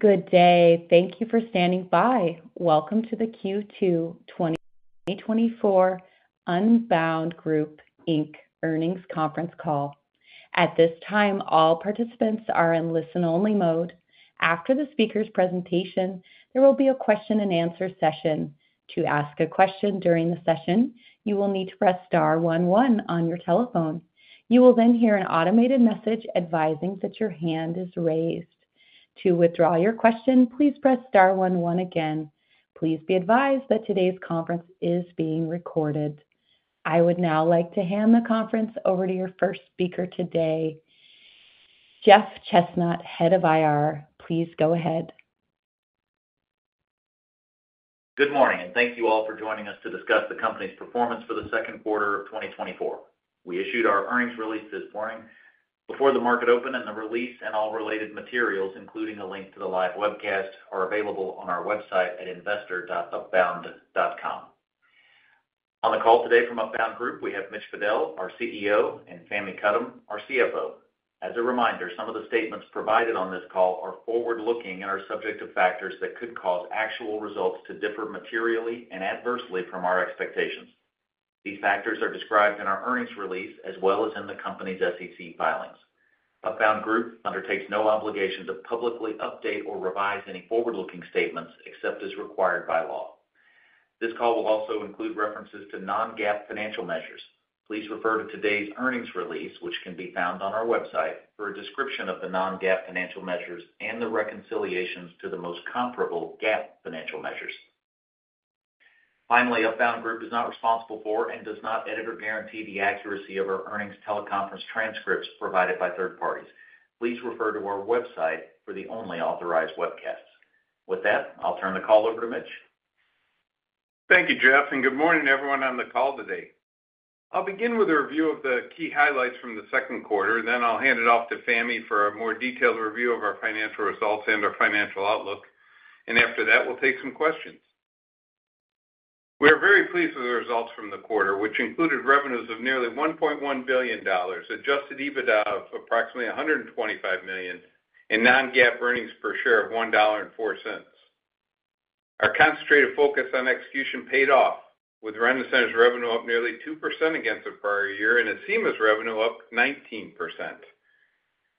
Good day, thank you for standing by. Welcome to the Q2 2024 Upbound Group Inc. earnings conference call. At this time, all participants are in listen-only mode. After the speaker's presentation, there will be a question-and-answer session. To ask a question during the session, you will need to press star 11 on your telephone. You will then hear an automated message advising that your hand is raised. To withdraw your question, please press star 11 again. Please be advised that today's conference is being recorded. I would now like to hand the conference over to your first speaker today, Jeff Chesnut, Head of IR. Please go ahead. Good morning, and thank you all for joining us to discuss the company's performance for the second quarter of 2024. We issued our earnings release this morning. Before the market open, the release and all related materials, including a link to the live webcast, are available on our website at investor.upbound.com. On the call today from Upbound Group, we have Mitch Fadel, our CEO, and Fahmi Karam, our CFO. As a reminder, some of the statements provided on this call are forward-looking and are subject to factors that could cause actual results to differ materially and adversely from our expectations. These factors are described in our earnings release as well as in the company's SEC filings. Upbound Group undertakes no obligation to publicly update or revise any forward-looking statements except as required by law. This call will also include references to Non-GAAP financial measures. Please refer to today's earnings release, which can be found on our website, for a description of the non-GAAP financial measures and the reconciliations to the most comparable GAAP financial measures. Finally, Upbound Group is not responsible for and does not edit or guarantee the accuracy of our earnings teleconference transcripts provided by third parties. Please refer to our website for the only authorized webcasts. With that, I'll turn the call over to Mitch. Thank you, Jeff, and good morning, everyone on the call today. I'll begin with a review of the key highlights from the second quarter, then I'll hand it off to Fahmi for a more detailed review of our financial results and our financial outlook. After that, we'll take some questions. We are very pleased with the results from the quarter, which included revenues of nearly $1.1 billion, adjusted EBITDA of approximately $125 million, and non-GAAP earnings per share of $1.04. Our concentrated focus on execution paid off, with Rent-A-Center's revenue up nearly 2% against the prior year and Acima's revenue up 19%.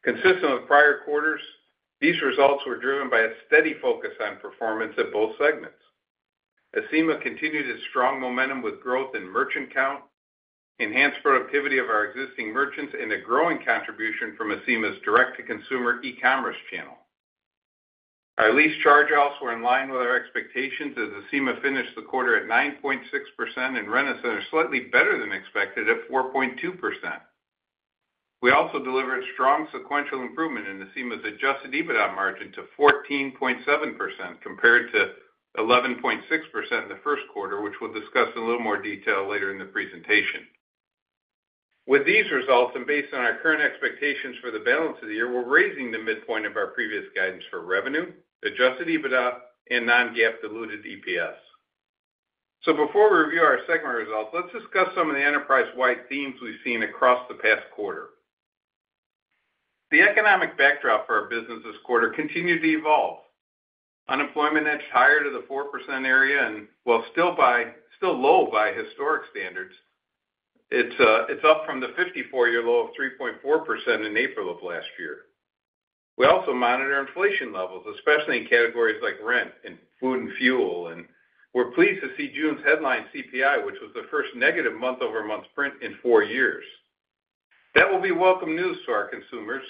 Consistent with prior quarters, these results were driven by a steady focus on performance at both segments. Acima continued its strong momentum with growth in merchant count, enhanced productivity of our existing merchants, and a growing contribution from Acima's direct-to-consumer e-commerce channel. Our lease chargeouts were in line with our expectations as Acima finished the quarter at 9.6%, and Rent-A-Center slightly better than expected at 4.2%. We also delivered strong sequential improvement in Acima's adjusted EBITDA margin to 14.7% compared to 11.6% in the first quarter, which we'll discuss in a little more detail later in the presentation. With these results and based on our current expectations for the balance of the year, we're raising the midpoint of our previous guidance for revenue, adjusted EBITDA, and non-GAAP diluted EPS. So before we review our segment results, let's discuss some of the enterprise-wide themes we've seen across the past quarter. The economic backdrop for our business this quarter continued to evolve. Unemployment edged higher to the 4% area, and while still low by historic standards, it's up from the 54-year low of 3.4% in April of last year. We also monitor inflation levels, especially in categories like rent and food and fuel, and we're pleased to see June's headline CPI, which was the first negative month-over-month print in 4 years. That will be welcome news to our consumers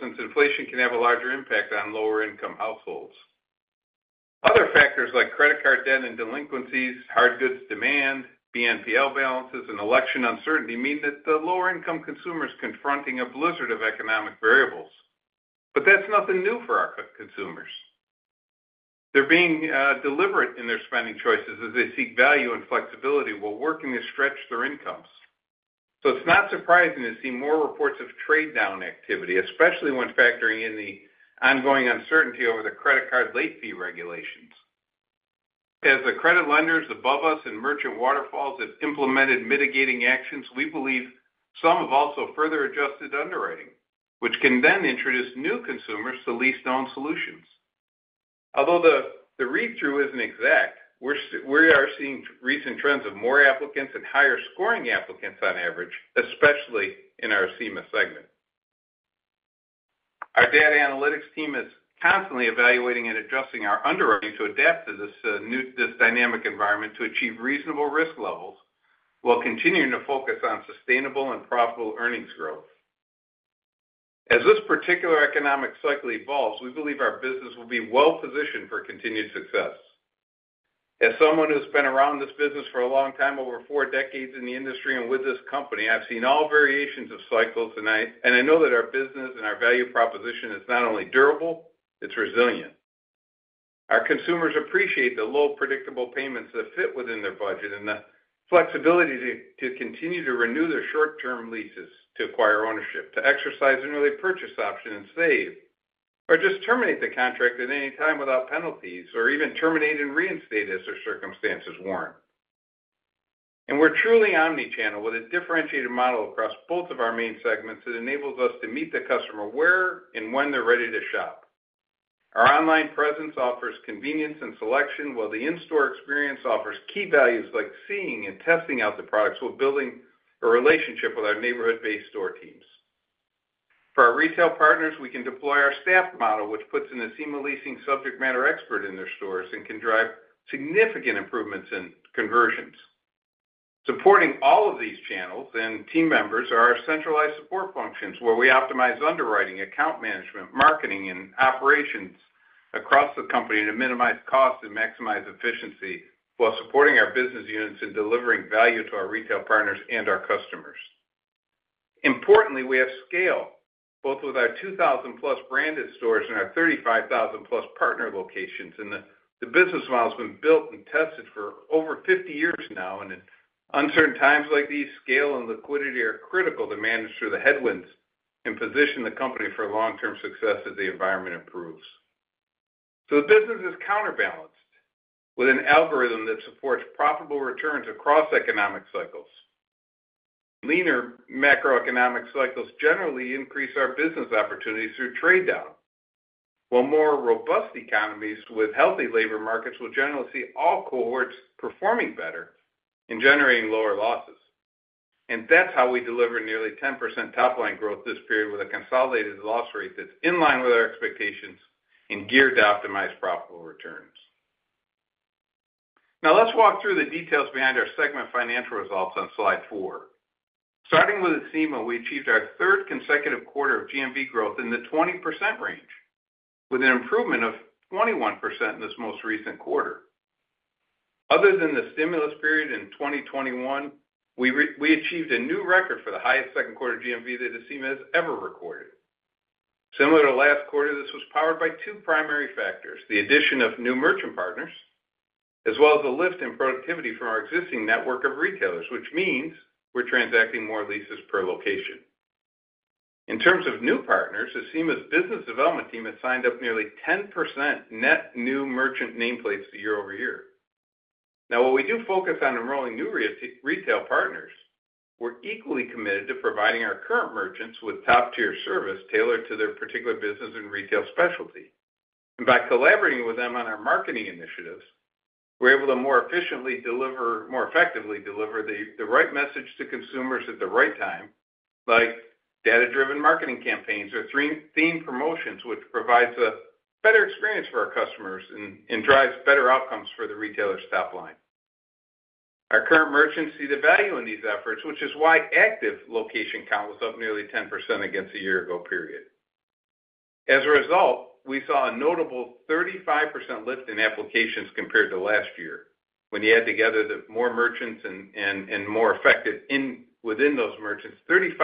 since inflation can have a larger impact on lower-income households. Other factors like credit card debt and delinquencies, hard goods demand, BNPL balances, and election uncertainty mean that the lower-income consumer is confronting a blizzard of economic variables. But that's nothing new for our consumers. They're being deliberate in their spending choices as they seek value and flexibility while working to stretch their incomes. So it's not surprising to see more reports of trade-down activity, especially when factoring in the ongoing uncertainty over the credit card late fee regulations. As the credit lenders above us and merchant waterfalls have implemented mitigating actions, we believe some have also further adjusted underwriting, which can then introduce new consumers to lease-to-own solutions. Although the read-through isn't exact, we are seeing recent trends of more applicants and higher-scoring applicants on average, especially in our Acima segment. Our data analytics team is constantly evaluating and adjusting our underwriting to adapt to this dynamic environment to achieve reasonable risk levels while continuing to focus on sustainable and profitable earnings growth. As this particular economic cycle evolves, we believe our business will be well-positioned for continued success. As someone who's been around this business for a long time, over four decades in the industry and with this company, I've seen all variations of cycles, and I know that our business and our value proposition is not only durable, it's resilient. Our consumers appreciate the low predictable payments that fit within their budget and the flexibility to continue to renew their short-term leases to acquire ownership, to exercise an early purchase option and save, or just terminate the contract at any time without penalties, or even terminate and reinstate as their circumstances warrant. We're truly omnichannel with a differentiated model across both of our main segments that enables us to meet the customer where and when they're ready to shop. Our online presence offers convenience and selection, while the in-store experience offers key values like seeing and testing out the products while building a relationship with our neighborhood-based store teams. For our retail partners, we can deploy our staffed model, which puts an Acima leasing subject matter expert in their stores and can drive significant improvements in conversions. Supporting all of these channels and team members are our centralized support functions, where we optimize underwriting, account management, marketing, and operations across the company to minimize costs and maximize efficiency while supporting our business units and delivering value to our retail partners and our customers. Importantly, we have scale, both with our 2,000+ branded stores and our 35,000+ partner locations, and the business model has been built and tested for over 50 years now. In uncertain times like these, scale and liquidity are critical to manage through the headwinds and position the company for long-term success as the environment improves. The business is counterbalanced with an algorithm that supports profitable returns across economic cycles. Leaner macroeconomic cycles generally increase our business opportunities through trade-down, while more robust economies with healthy labor markets will generally see all cohorts performing better and generating lower losses. That's how we deliver nearly 10% topline growth this period with a consolidated loss rate that's in line with our expectations and geared to optimize profitable returns. Now, let's walk through the details behind our segment financial results on slide four. Starting with Acima, we achieved our third consecutive quarter of GMV growth in the 20% range, with an improvement of 21% in this most recent quarter. Other than the stimulus period in 2021, we achieved a new record for the highest second quarter GMV that Acima has ever recorded. Similar to last quarter, this was powered by two primary factors: the addition of new merchant partners, as well as a lift in productivity from our existing network of retailers, which means we're transacting more leases per location. In terms of new partners, Acima's business development team has signed up nearly 10% net new merchant nameplates year-over-year. Now, while we do focus on enrolling new retail partners, we're equally committed to providing our current merchants with top-tier service tailored to their particular business and retail specialty. And by collaborating with them on our marketing initiatives, we're able to more efficiently, more effectively deliver the right message to consumers at the right time, like data-driven marketing campaigns or theme promotions, which provides a better experience for our customers and drives better outcomes for the retailer's top line. Our current merchants see the value in these efforts, which is why active location count was up nearly 10% against the year-ago period. As a result, we saw a notable 35% lift in applications compared to last year. When you add together the more merchants and more affected within those merchants, 35%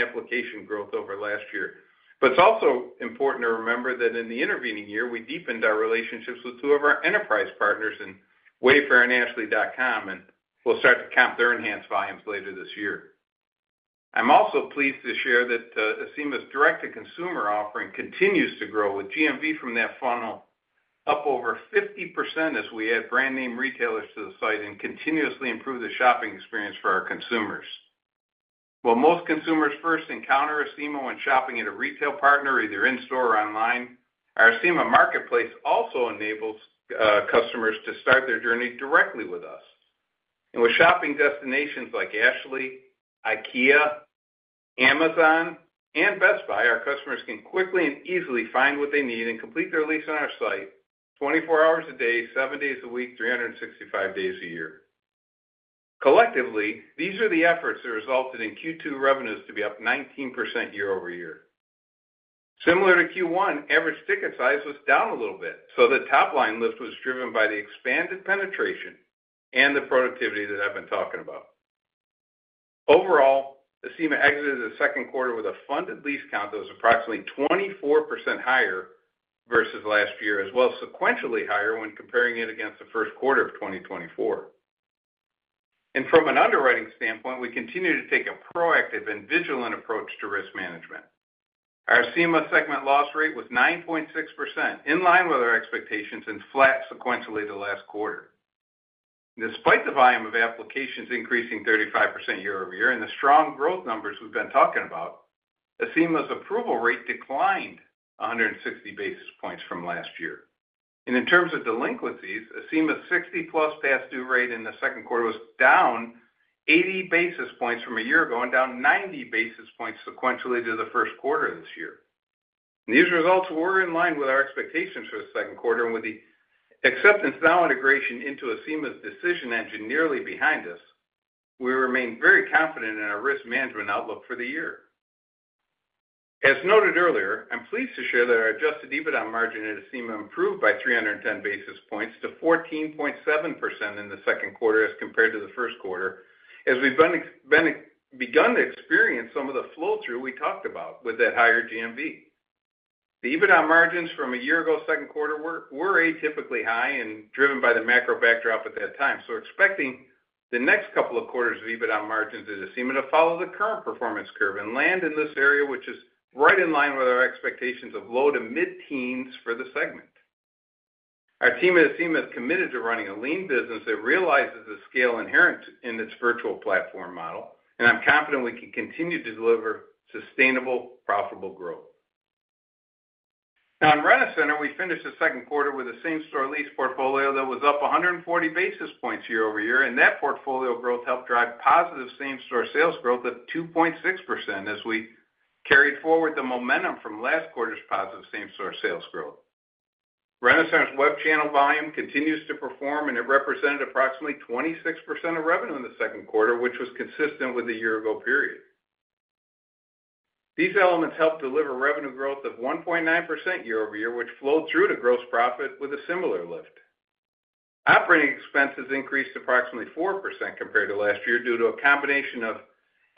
application growth over last year. But it's also important to remember that in the intervening year, we deepened our relationships with two of our enterprise partners in Wayfair and Ashley.com, and we'll start to count their enhanced volumes later this year. I'm also pleased to share that Acima's direct-to-consumer offering continues to grow, with GMV from that funnel up over 50% as we add brand-name retailers to the site and continuously improve the shopping experience for our consumers. While most consumers first encounter Acima when shopping at a retail partner, either in-store or online, our Acima Marketplace also enables customers to start their journey directly with us. And with shopping destinations like Ashley, IKEA, Amazon, and Best Buy, our customers can quickly and easily find what they need and complete their lease on our site 24 hours a day, seven days a week, 365 days a year. Collectively, these are the efforts that resulted in Q2 revenues to be up 19% year-over-year. Similar to Q1, average ticket size was down a little bit, so the top-line lift was driven by the expanded penetration and the productivity that I've been talking about. Overall, Acima exited the second quarter with a funded lease count that was approximately 24% higher versus last year, as well as sequentially higher when comparing it against the first quarter of 2024. From an underwriting standpoint, we continue to take a proactive and vigilant approach to risk management. Our Acima segment loss rate was 9.6%, in line with our expectations and flat sequentially the last quarter. Despite the volume of applications increasing 35% year-over-year and the strong growth numbers we've been talking about, Acima's approval rate declined 160 basis points from last year. In terms of delinquencies, Acima's 60+ past due rate in the second quarter was down 80 basis points from a year ago and down 90 basis points sequentially to the first quarter of this year. These results were in line with our expectations for the second quarter, and with the AcceptanceNow integration into Acima's decision engine nearly behind us, we remain very confident in our risk management outlook for the year. As noted earlier, I'm pleased to share that our adjusted EBITDA margin at Acima improved by 310 basis points to 14.7% in the second quarter as compared to the first quarter, as we've begun to experience some of the flow-through we talked about with that higher GMV. The EBITDA margins from a year ago second quarter were atypically high and driven by the macro backdrop at that time, so expecting the next couple of quarters of EBITDA margins at Acima to follow the current performance curve and land in this area, which is right in line with our expectations of low- to mid-teens for the segment. Our team at Acima is committed to running a lean business that realizes the scale inherent in its virtual platform model, and I'm confident we can continue to deliver sustainable, profitable growth. Now, in Rent-A-Center, we finished the second quarter with a same-store lease portfolio that was up 140 basis points year-over-year, and that portfolio growth helped drive positive same-store sales growth of 2.6% as we carried forward the momentum from last quarter's positive same-store sales growth. Rent-A-Center's web channel volume continues to perform, and it represented approximately 26% of revenue in the second quarter, which was consistent with the year-ago period. These elements helped deliver revenue growth of 1.9% year-over-year, which flowed through to gross profit with a similar lift. Operating expenses increased approximately 4% compared to last year due to a combination of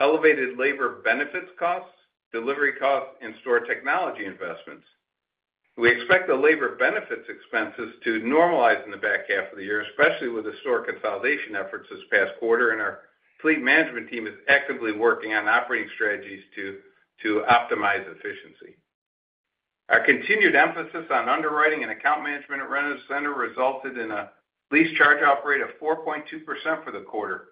elevated labor benefits costs, delivery costs, and store technology investments. We expect the labor benefits expenses to normalize in the back half of the year, especially with the store consolidation efforts this past quarter, and our fleet management team is actively working on operating strategies to optimize efficiency. Our continued emphasis on underwriting and account management at Rent-A-Center resulted in a lease charge-off rate of 4.2% for the quarter,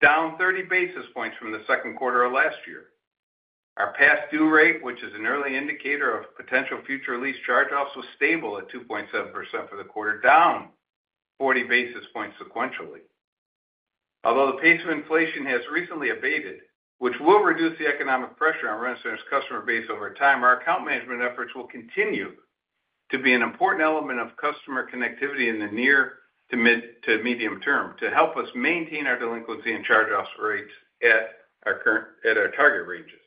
down 30 basis points from the second quarter of last year. Our past due rate, which is an early indicator of potential future lease charge-offs, was stable at 2.7% for the quarter, down 40 basis points sequentially. Although the pace of inflation has recently abated, which will reduce the economic pressure on Rent-A-Center's customer base over time, our account management efforts will continue to be an important element of customer connectivity in the near to medium term to help us maintain our delinquency and charge-off rates at our target ranges.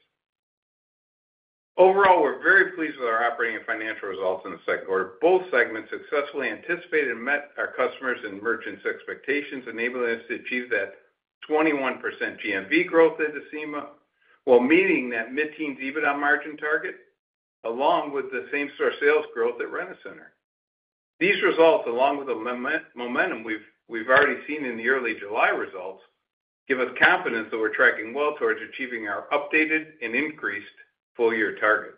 Overall, we're very pleased with our operating and financial results in the second quarter. Both segments successfully anticipated and met our customers' and merchants' expectations, enabling us to achieve that 21% GMV growth at Acima while meeting that mid-teens EBITDA margin target, along with the same-store sales growth at Rent-A-Center. These results, along with the momentum we've already seen in the early July results, give us confidence that we're tracking well towards achieving our updated and increased full-year targets.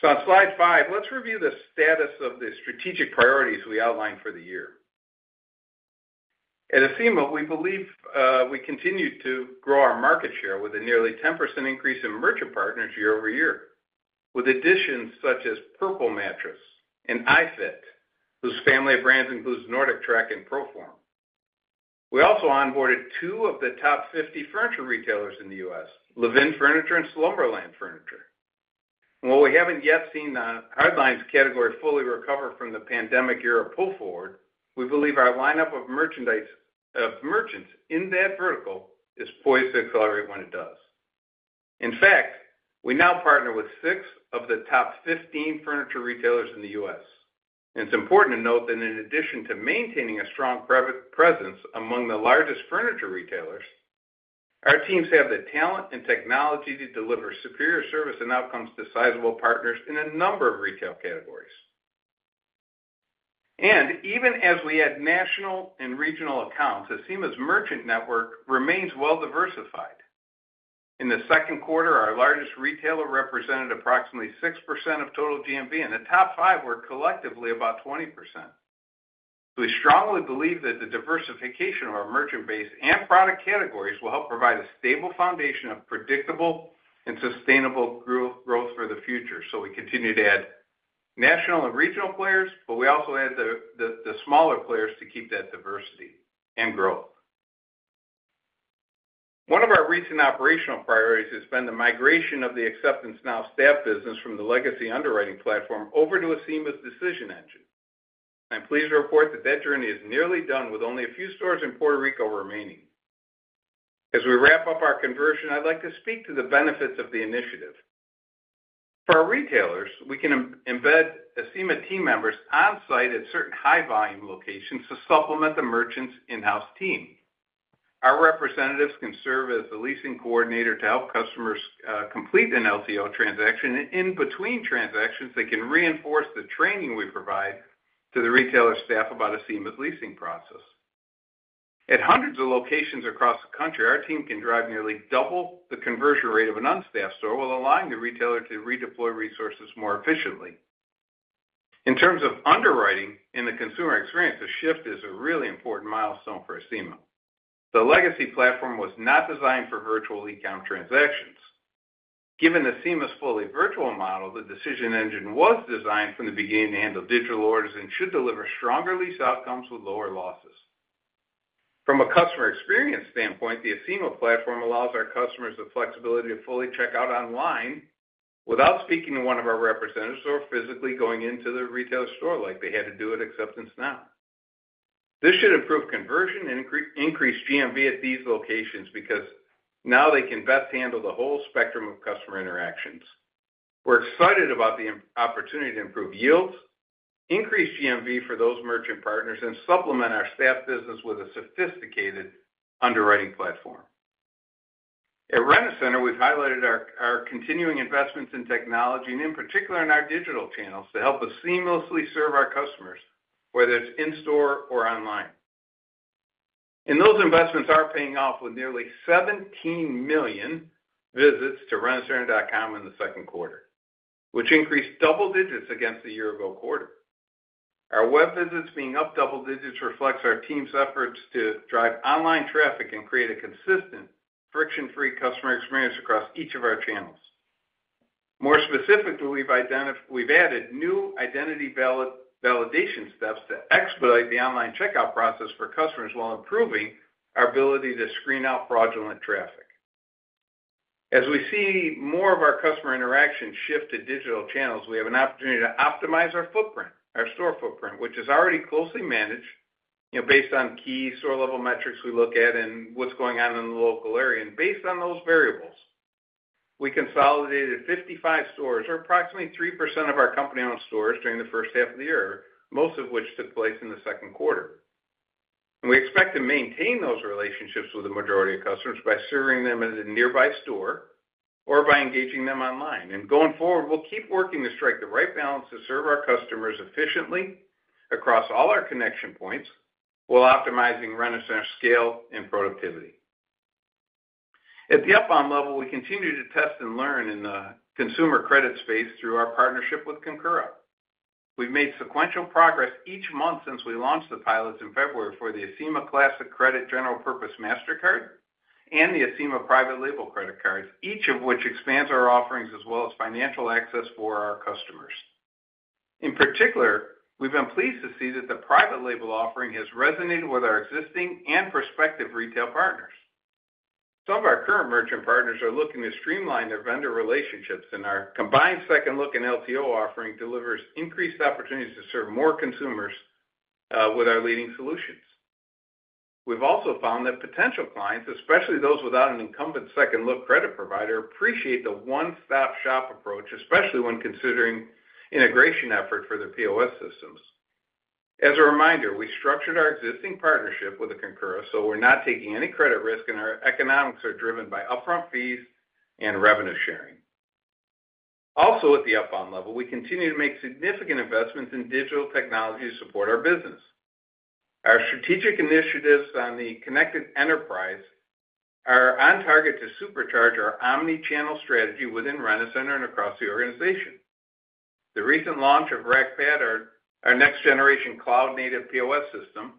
So on slide five, let's review the status of the strategic priorities we outlined for the year. At Acima, we believe we continue to grow our market share with a nearly 10% increase in merchant partners year-over-year, with additions such as Purple Mattress and iFIT, whose family of brands includes NordicTrack and ProForm. We also onboarded two of the top 50 furniture retailers in the U.S., Levin Furniture and Slumberland Furniture. While we haven't yet seen the hard lines category fully recover from the pandemic-era pull forward, we believe our lineup of merchants in that vertical is poised to accelerate when it does. In fact, we now partner with six of the top 15 furniture retailers in the U.S. It's important to note that in addition to maintaining a strong presence among the largest furniture retailers, our teams have the talent and technology to deliver superior service and outcomes to sizable partners in a number of retail categories. And even as we add national and regional accounts, Acima's merchant network remains well diversified. In the second quarter, our largest retailer represented approximately 6% of total GMV, and the top five were collectively about 20%. We strongly believe that the diversification of our merchant base and product categories will help provide a stable foundation of predictable and sustainable growth for the future. So we continue to add national and regional players, but we also add the smaller players to keep that diversity and growth. One of our recent operational priorities has been the migration of the AcceptanceNow staff business from the legacy underwriting platform over to Acima's decision engine. I'm pleased to report that that journey is nearly done, with only a few stores in Puerto Rico remaining. As we wrap up our conversion, I'd like to speak to the benefits of the initiative. For our retailers, we can embed Acima team members on-site at certain high-volume locations to supplement the merchant's in-house team. Our representatives can serve as the leasing coordinator to help customers complete an LTO transaction, and in between transactions, they can reinforce the training we provide to the retailer staff about Acima's leasing process. At hundreds of locations across the country, our team can drive nearly double the conversion rate of an unstaffed store while allowing the retailer to redeploy resources more efficiently. In terms of underwriting and the consumer experience, the shift is a really important milestone for Acima. The legacy platform was not designed for virtual e-com transactions. Given Acima's fully virtual model, the decision engine was designed from the beginning to handle digital orders and should deliver stronger lease outcomes with lower losses. From a customer experience standpoint, the Acima platform allows our customers the flexibility to fully check out online without speaking to one of our representatives or physically going into the retailer store like they had to do at AcceptanceNow. This should improve conversion and increase GMV at these locations because now they can best handle the whole spectrum of customer interactions. We're excited about the opportunity to improve yields, increase GMV for those merchant partners, and supplement our staff business with a sophisticated underwriting platform. At Rent-A-Center, we've highlighted our continuing investments in technology, and in particular in our digital channels, to help us seamlessly serve our customers, whether it's in-store or online. Those investments are paying off with nearly 17 million visits to rentacenter.com in the second quarter, which increased double digits against the year-ago quarter. Our web visits being up double digits reflects our team's efforts to drive online traffic and create a consistent, friction-free customer experience across each of our channels. More specifically, we've added new identity validation steps to expedite the online checkout process for customers while improving our ability to screen out fraudulent traffic. As we see more of our customer interaction shift to digital channels, we have an opportunity to optimize our footprint, our store footprint, which is already closely managed based on key store-level metrics we look at and what's going on in the local area. Based on those variables, we consolidated 55 stores, or approximately 3% of our company-owned stores, during the first half of the year, most of which took place in the second quarter. We expect to maintain those relationships with the majority of customers by serving them at a nearby store or by engaging them online. Going forward, we'll keep working to strike the right balance to serve our customers efficiently across all our connection points while optimizing Rent-A-Center's scale and productivity. At the Upbound level, we continue to test and learn in the consumer credit space through our partnership with Concora. We've made sequential progress each month since we launched the pilots in February for the Acima Classic Credit General Purpose Mastercard and the Acima Private Label Credit Cards, each of which expands our offerings as well as financial access for our customers. In particular, we've been pleased to see that the Private Label offering has resonated with our existing and prospective retail partners. Some of our current merchant partners are looking to streamline their vendor relationships, and our combined second look and LTO offering delivers increased opportunities to serve more consumers with our leading solutions. We've also found that potential clients, especially those without an incumbent second look credit provider, appreciate the one-stop shop-approach, especially when considering integration efforts for their POS systems. As a reminder, we structured our existing partnership with Concora, so we're not taking any credit risk, and our economics are driven by upfront fees and revenue sharing. Also, at the Upbound level, we continue to make significant investments in digital technology to support our business. Our strategic initiatives on the connected enterprise are on target to supercharge our omnichannel strategy within Rent-A-Center and across the organization. The recent launch of RACPad, our next-generation cloud-native POS system,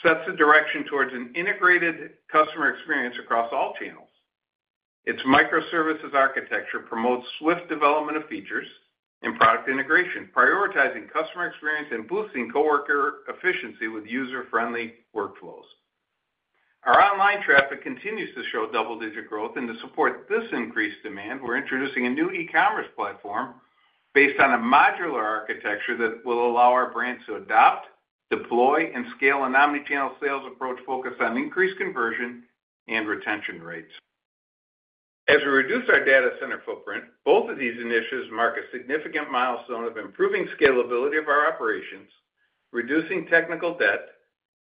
sets the direction towards an integrated customer experience across all channels. Its microservices architecture promotes swift development of features and product integration, prioritizing customer experience and boosting coworker efficiency with user-friendly workflows. Our online traffic continues to show double-digit growth, and to support this increased demand, we're introducing a new e-commerce platform based on a modular architecture that will allow our brands to adopt, deploy, and scale an omnichannel sales approach focused on increased conversion and retention rates. As we reduce our data center footprint, both of these initiatives mark a significant milestone of improving scalability of our operations, reducing technical debt,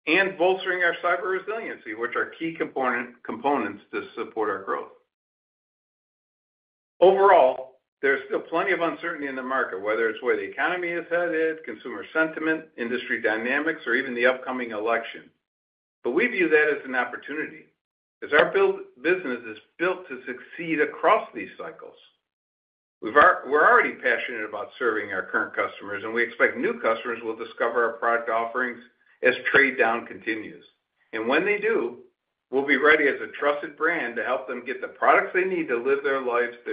and bolstering our cyber resiliency, which are key components to support our growth. Overall, there's still plenty of uncertainty in the market, whether it's where the economy is headed, consumer sentiment, industry dynamics, or even the upcoming election. We view that as an opportunity, as our business is built to succeed across these cycles. We're already passionate about serving our current customers, and we expect new customers will discover our product offerings as trade down continues. And when they do, we'll be ready as a trusted brand to help them get the products they need to live their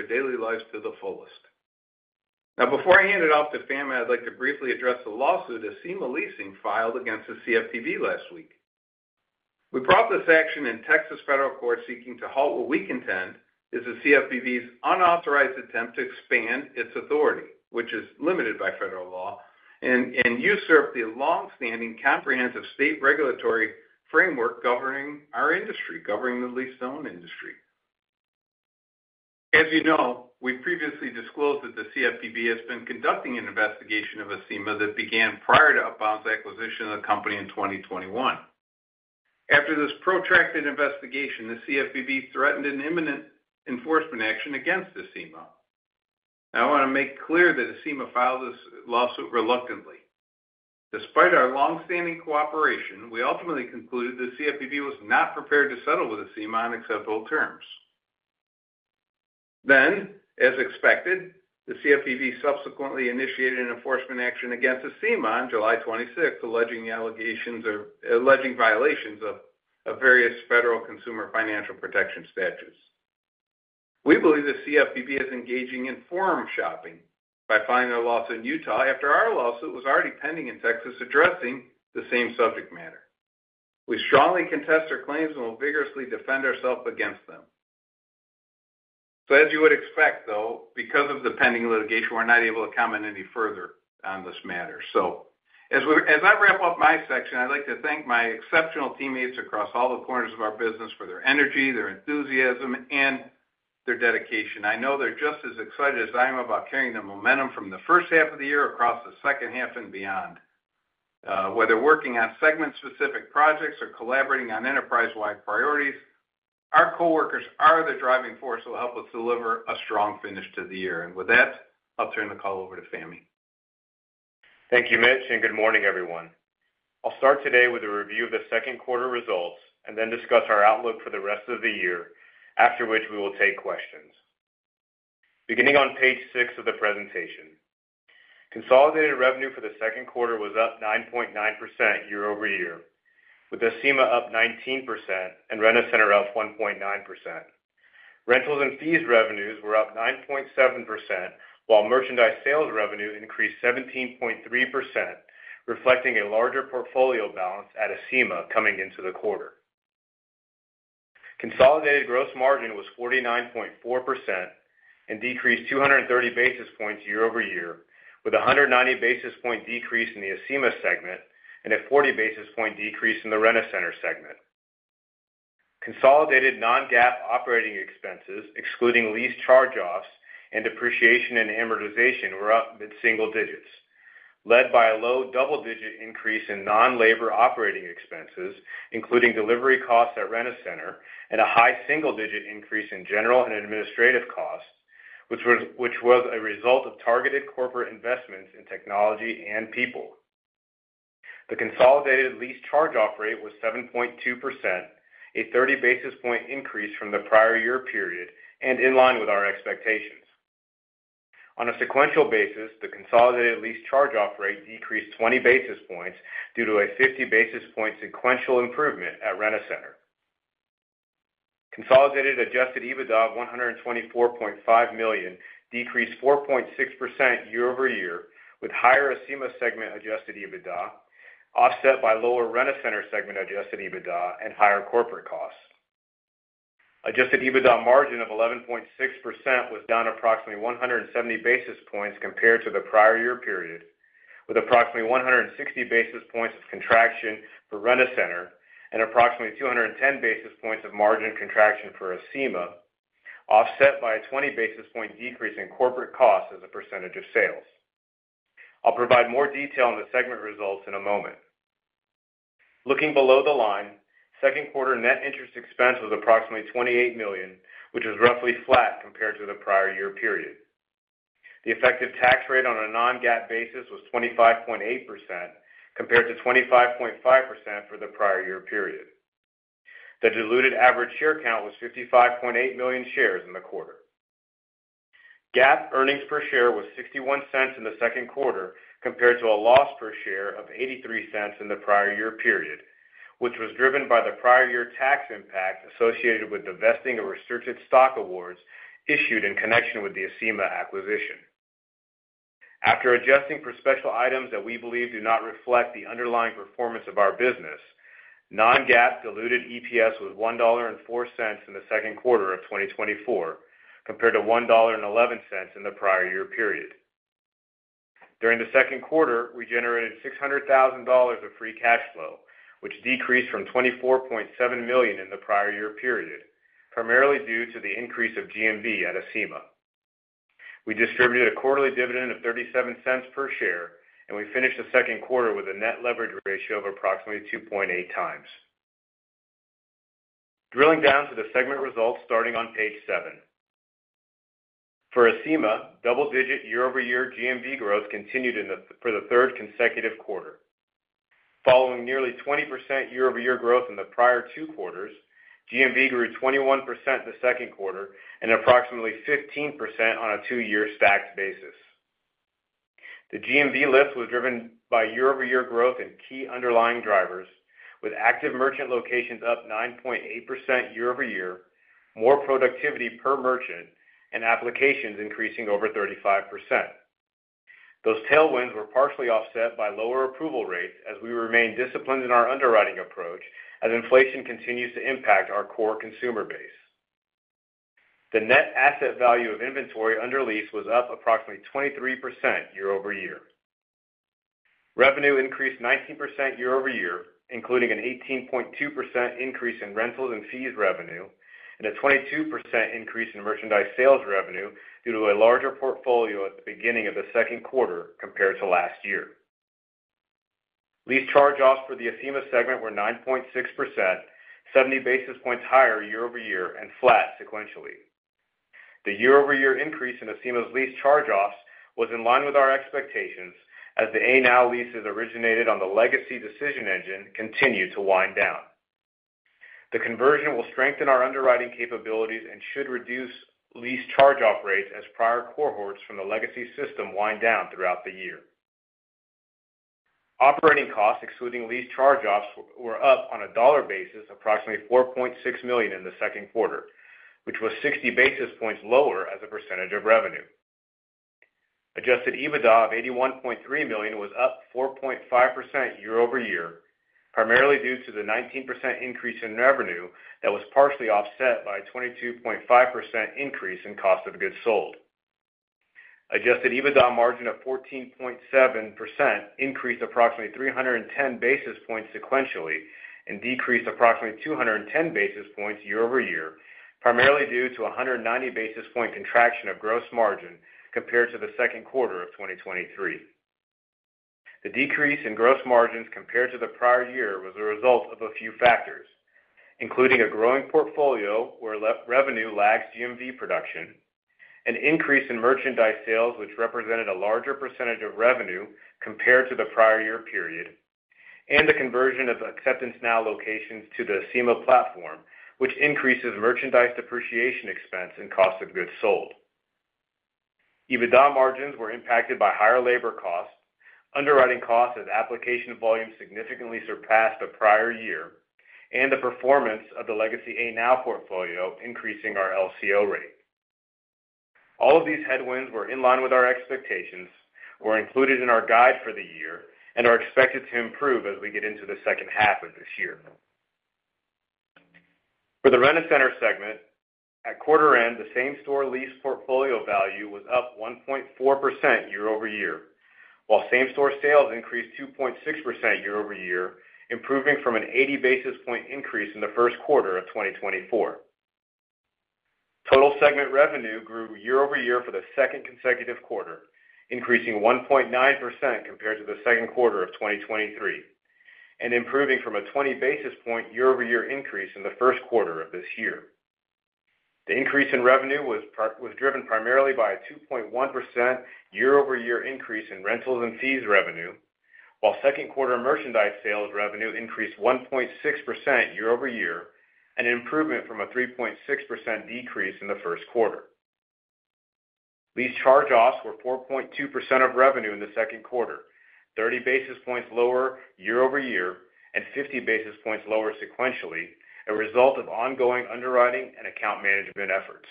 daily lives to the fullest. Now, before I hand it off to Fahmi, I'd like to briefly address the lawsuit Acima Leasing filed against the CFPB last week. We brought this action in Texas federal court seeking to halt what we contend is the CFPB's unauthorized attempt to expand its authority, which is limited by federal law, and usurp the longstanding comprehensive state regulatory framework governing our industry, governing the lease-to-own industry. As you know, we previously disclosed that the CFPB has been conducting an investigation of Acima that began prior to Upbound's acquisition of the company in 2021. After this protracted investigation, the CFPB threatened an imminent enforcement action against Acima. Now, I want to make clear that Acima filed this lawsuit reluctantly. Despite our longstanding cooperation, we ultimately concluded the CFPB was not prepared to settle with Acima on acceptable terms. Then, as expected, the CFPB subsequently initiated an enforcement action against Acima on July 26, alleging violations of various federal consumer financial protection statutes. We believe the CFPB is engaging in forum shopping by filing a lawsuit in Utah after our lawsuit was already pending in Texas addressing the same subject matter. We strongly contest their claims and will vigorously defend ourselves against them. So, as you would expect, though, because of the pending litigation, we're not able to comment any further on this matter. So, as I wrap up my section, I'd like to thank my exceptional teammates across all the corners of our business for their energy, their enthusiasm, and their dedication. I know they're just as excited as I am about carrying the momentum from the first half of the year across the second half and beyond. Whether working on segment-specific projects or collaborating on enterprise-wide priorities, our coworkers are the driving force that will help us deliver a strong finish to the year. And with that, I'll turn the call over to Fahmi. Thank you, Mitch, and good morning, everyone. I'll start today with a review of the second quarter results and then discuss our outlook for the rest of the year, after which we will take questions. Beginning on page six of the presentation, consolidated revenue for the second quarter was up 9.9% year-over-year, with Acima up 19% and Rent-A-Center up 1.9%. Rentals and fees revenues were up 9.7%, while merchandise sales revenue increased 17.3%, reflecting a larger portfolio balance at Acima coming into the quarter. Consolidated gross margin was 49.4% and decreased 230 basis points year-over-year, with a 190 basis point decrease in the Acima segment and a 40 basis point decrease in the Rent-A-Center segment. Consolidated non-GAAP operating expenses, excluding lease charge-offs and depreciation and amortization, were up at single digits, led by a low double-digit increase in non-labor operating expenses, including delivery costs at Rent-A-Center, and a high single-digit increase in general and administrative costs, which was a result of targeted corporate investments in technology and people. The consolidated lease charge-off rate was 7.2%, a 30 basis point increase from the prior year period, and in line with our expectations. On a sequential basis, the consolidated lease charge-off rate decreased 20 basis points due to a 50 basis point sequential improvement at Rent-A-Center. Consolidated adjusted EBITDA of $124.5 million decreased 4.6% year-over-year, with higher Acima segment adjusted EBITDA, offset by lower Rent-A-Center segment adjusted EBITDA and higher corporate costs. Adjusted EBITDA margin of 11.6% was down approximately 170 basis points compared to the prior year period, with approximately 160 basis points of contraction for Rent-A-Center and approximately 210 basis points of margin contraction for Acima, offset by a 20 basis point decrease in corporate costs as a percentage of sales. I'll provide more detail on the segment results in a moment. Looking below the line, second quarter net interest expense was approximately $28 million, which was roughly flat compared to the prior year period. The effective tax rate on a non-GAAP basis was 25.8% compared to 25.5% for the prior year period. The diluted average share count was 55.8 million shares in the quarter. GAAP earnings per share was $0.61 in the second quarter compared to a loss per share of $0.83 in the prior year period, which was driven by the prior year tax impact associated with vesting of restricted stock awards issued in connection with the Acima acquisition. After adjusting for special items that we believe do not reflect the underlying performance of our business, non-GAAP diluted EPS was $1.04 in the second quarter of 2024 compared to $1.11 in the prior year period. During the second quarter, we generated $600,000 of free cash flow, which decreased from $24.7 million in the prior year period, primarily due to the increase of GMV at Acima. We distributed a quarterly dividend of $0.37 per share, and we finished the second quarter with a net leverage ratio of approximately 2.8x. Drilling down to the segment results starting on page 7, for Acima, double-digit year-over-year GMV growth continued for the third consecutive quarter. Following nearly 20% year-over-year growth in the prior two quarters, GMV grew 21% in the second quarter and approximately 15% on a two-year stacked basis. The GMV lift was driven by year-over-year growth and key underlying drivers, with active merchant locations up 9.8% year-over-year, more productivity per merchant, and applications increasing over 35%. Those tailwinds were partially offset by lower approval rates as we remain disciplined in our underwriting approach as inflation continues to impact our core consumer base. The net asset value of inventory under lease was up approximately 23% year-over-year. Revenue increased 19% year-over-year, including an 18.2% increase in rentals and fees revenue and a 22% increase in merchandise sales revenue due to a larger portfolio at the beginning of the second quarter compared to last year. Lease charge-offs for the Acima segment were 9.6%, 70 basis points higher year-over-year and flat sequentially. The year-over-year increase in Acima's lease charge-offs was in line with our expectations as the ANow leases originated on the legacy decision engine continue to wind down. The conversion will strengthen our underwriting capabilities and should reduce lease charge-off rates as prior cohorts from the legacy system wind down throughout the year. Operating costs, excluding lease charge-offs, were up on a dollar basis approximately $4.6 million in the second quarter, which was 60 basis points lower as a percentage of revenue. Adjusted EBITDA of $81.3 million was up 4.5% year-over-year, primarily due to the 19% increase in revenue that was partially offset by a 22.5% increase in cost of goods sold. Adjusted EBITDA margin of 14.7% increased approximately 310 basis points sequentially and decreased approximately 210 basis points year-over-year, primarily due to a 190 basis point contraction of gross margin compared to the second quarter of 2023. The decrease in gross margins compared to the prior year was a result of a few factors, including a growing portfolio where revenue lags GMV production, an increase in merchandise sales, which represented a larger percentage of revenue compared to the prior year period, and the conversion of AcceptanceNow locations to the Acima platform, which increases merchandise depreciation expense and cost of goods sold. EBITDA margins were impacted by higher labor costs, underwriting costs as application volume significantly surpassed the prior year, and the performance of the legacy ANow portfolio increasing our LCO rate. All of these headwinds were in line with our expectations, were included in our guide for the year, and are expected to improve as we get into the second half of this year. For the Rent-A-Center segment, at quarter end, the same store lease portfolio value was up 1.4% year-over-year, while same store sales increased 2.6% year-over-year, improving from an 80 basis point increase in the first quarter of 2024. Total segment revenue grew year-over-year for the second consecutive quarter, increasing 1.9% compared to the second quarter of 2023, and improving from a 20 basis point year-over-year increase in the first quarter of this year. The increase in revenue was driven primarily by a 2.1% year-over-year increase in rentals and fees revenue, while second quarter merchandise sales revenue increased 1.6% year-over-year, an improvement from a 3.6% decrease in the first quarter. Lease charge-offs were 4.2% of revenue in the second quarter, 30 basis points lower year-over-year and 50 basis points lower sequentially, a result of ongoing underwriting and account management efforts.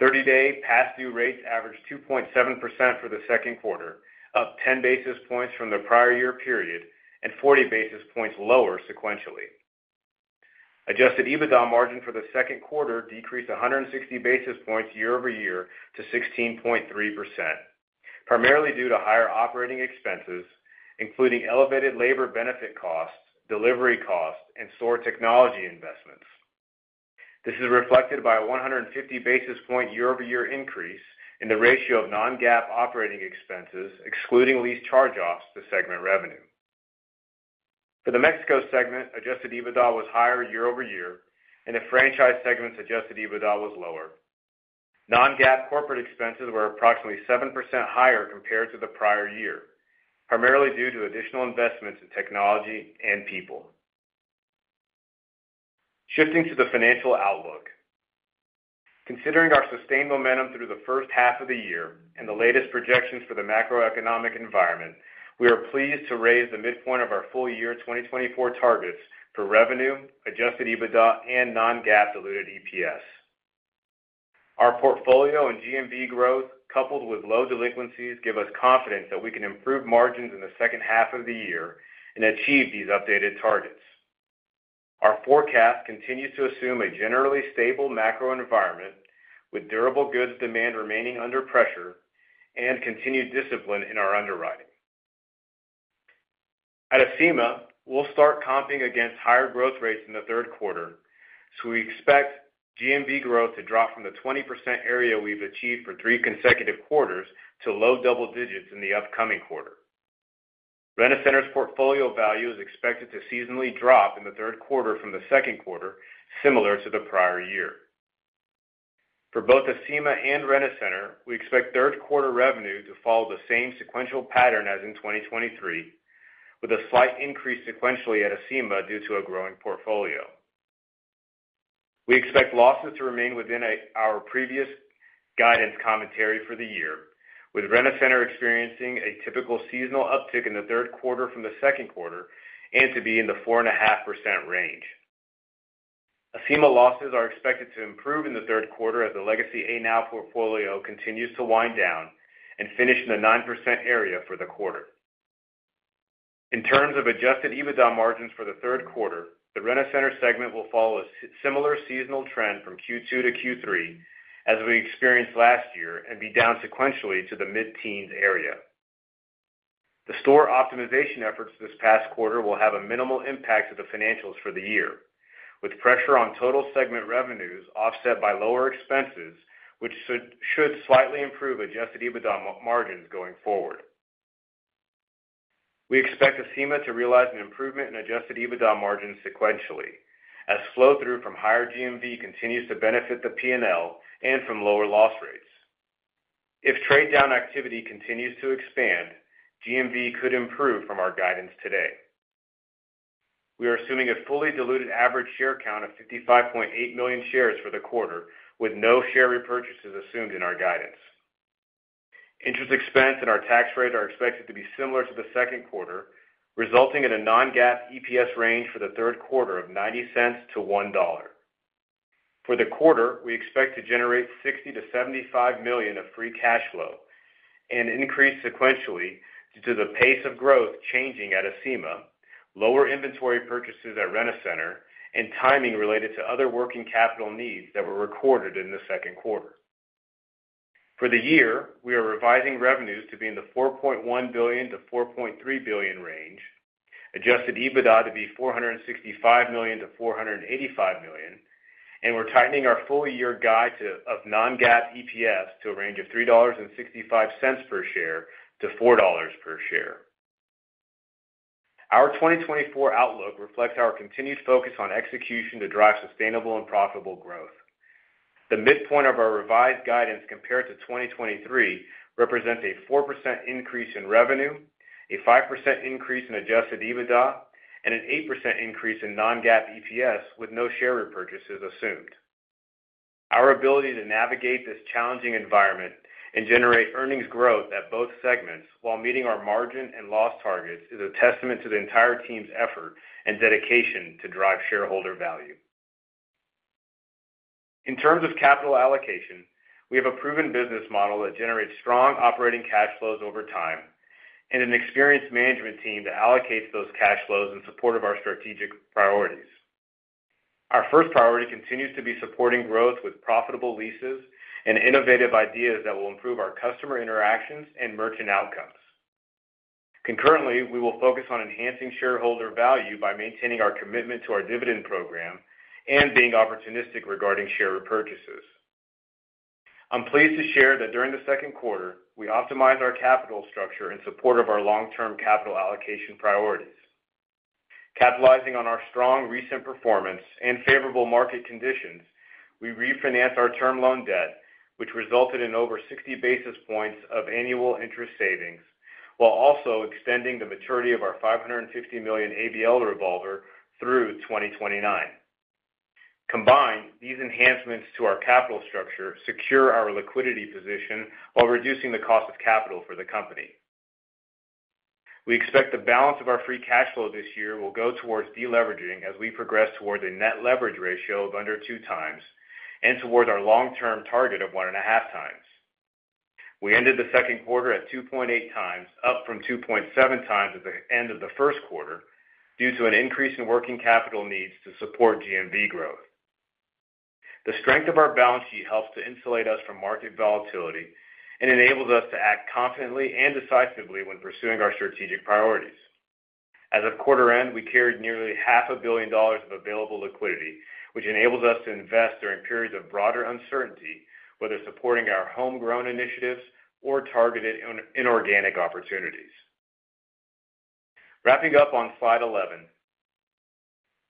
30-day pass-through rates averaged 2.7% for the second quarter, up 10 basis points from the prior year period, and 40 basis points lower sequentially. Adjusted EBITDA margin for the second quarter decreased 160 basis points year-over-year to 16.3%, primarily due to higher operating expenses, including elevated labor benefit costs, delivery costs, and store technology investments. This is reflected by a 150 basis points year-over-year increase in the ratio of non-GAAP operating expenses, excluding lease charge-offs, to segment revenue. For the Mexico segment, adjusted EBITDA was higher year-over-year, and the franchise segment's adjusted EBITDA was lower. Non-GAAP corporate expenses were approximately 7% higher compared to the prior year, primarily due to additional investments in technology and people. Shifting to the financial outlook, considering our sustained momentum through the first half of the year and the latest projections for the macroeconomic environment, we are pleased to raise the midpoint of our full year 2024 targets for revenue, adjusted EBITDA, and non-GAAP diluted EPS. Our portfolio and GMV growth, coupled with low delinquencies, give us confidence that we can improve margins in the second half of the year and achieve these updated targets. Our forecast continues to assume a generally stable macro environment, with durable goods demand remaining under pressure and continued discipline in our underwriting. At Acima, we'll start comping against higher growth rates in the third quarter, so we expect GMV growth to drop from the 20% area we've achieved for three consecutive quarters to low double digits in the upcoming quarter. Rent-A-Center's portfolio value is expected to seasonally drop in the third quarter from the second quarter, similar to the prior year. For both Acima and Rent-A-Center, we expect third quarter revenue to follow the same sequential pattern as in 2023, with a slight increase sequentially at Acima due to a growing portfolio. We expect losses to remain within our previous guidance commentary for the year, with Rent-A-Center experiencing a typical seasonal uptick in the third quarter from the second quarter and to be in the 4.5% range. Acima losses are expected to improve in the third quarter as the legacy ANow portfolio continues to wind down and finish in the 9% area for the quarter. In terms of Adjusted EBITDA margins for the third quarter, the Rent-A-Center segment will follow a similar seasonal trend from Q2 to Q3 as we experienced last year and be down sequentially to the mid-teens area. The store optimization efforts this past quarter will have a minimal impact to the financials for the year, with pressure on total segment revenues offset by lower expenses, which should slightly improve adjusted EBITDA margins going forward. We expect Acima to realize an improvement in adjusted EBITDA margins sequentially as flow-through from higher GMV continues to benefit the P&L and from lower loss rates. If trade-down activity continues to expand, GMV could improve from our guidance today. We are assuming a fully diluted average share count of 55.8 million shares for the quarter, with no share repurchases assumed in our guidance. Interest expense and our tax rate are expected to be similar to the second quarter, resulting in a non-GAAP EPS range for the third quarter of $0.90-$1. For the quarter, we expect to generate $60 million-$75 million of free cash flow and increase sequentially due to the pace of growth changing at Acima, lower inventory purchases at Rent-A-Center, and timing related to other working capital needs that were recorded in the second quarter. For the year, we are revising revenues to be in the $4.1 billion-$4.3 billion range, adjusted EBITDA to be $465 million-$485 million, and we're tightening our full year guide of non-GAAP EPS to a range of $3.65-$4 per share. Our 2024 outlook reflects our continued focus on execution to drive sustainable and profitable growth. The midpoint of our revised guidance compared to 2023 represents a 4% increase in revenue, a 5% increase in adjusted EBITDA, and an 8% increase in non-GAAP EPS with no share repurchases assumed. Our ability to navigate this challenging environment and generate earnings growth at both segments while meeting our margin and loss targets is a testament to the entire team's effort and dedication to drive shareholder value. In terms of capital allocation, we have a proven business model that generates strong operating cash flows over time and an experienced management team that allocates those cash flows in support of our strategic priorities. Our first priority continues to be supporting growth with profitable leases and innovative ideas that will improve our customer interactions and merchant outcomes. Concurrently, we will focus on enhancing shareholder value by maintaining our commitment to our dividend program and being opportunistic regarding share repurchases. I'm pleased to share that during the second quarter, we optimized our capital structure in support of our long-term capital allocation priorities. Capitalizing on our strong recent performance and favorable market conditions, we refinanced our term loan debt, which resulted in over 60 basis points of annual interest savings, while also extending the maturity of our $550 million ABL revolver through 2029. Combined, these enhancements to our capital structure secure our liquidity position while reducing the cost of capital for the company. We expect the balance of our free cash flow this year will go towards deleveraging as we progress towards a net leverage ratio of under 2x and towards our long-term target of 1.5x. We ended the second quarter at 2.8x, up from 2.7x at the end of the first quarter due to an increase in working capital needs to support GMV growth. The strength of our balance sheet helps to insulate us from market volatility and enables us to act confidently and decisively when pursuing our strategic priorities. As of quarter end, we carried nearly $500 million of available liquidity, which enables us to invest during periods of broader uncertainty, whether supporting our homegrown initiatives or targeted inorganic opportunities. Wrapping up on slide 11,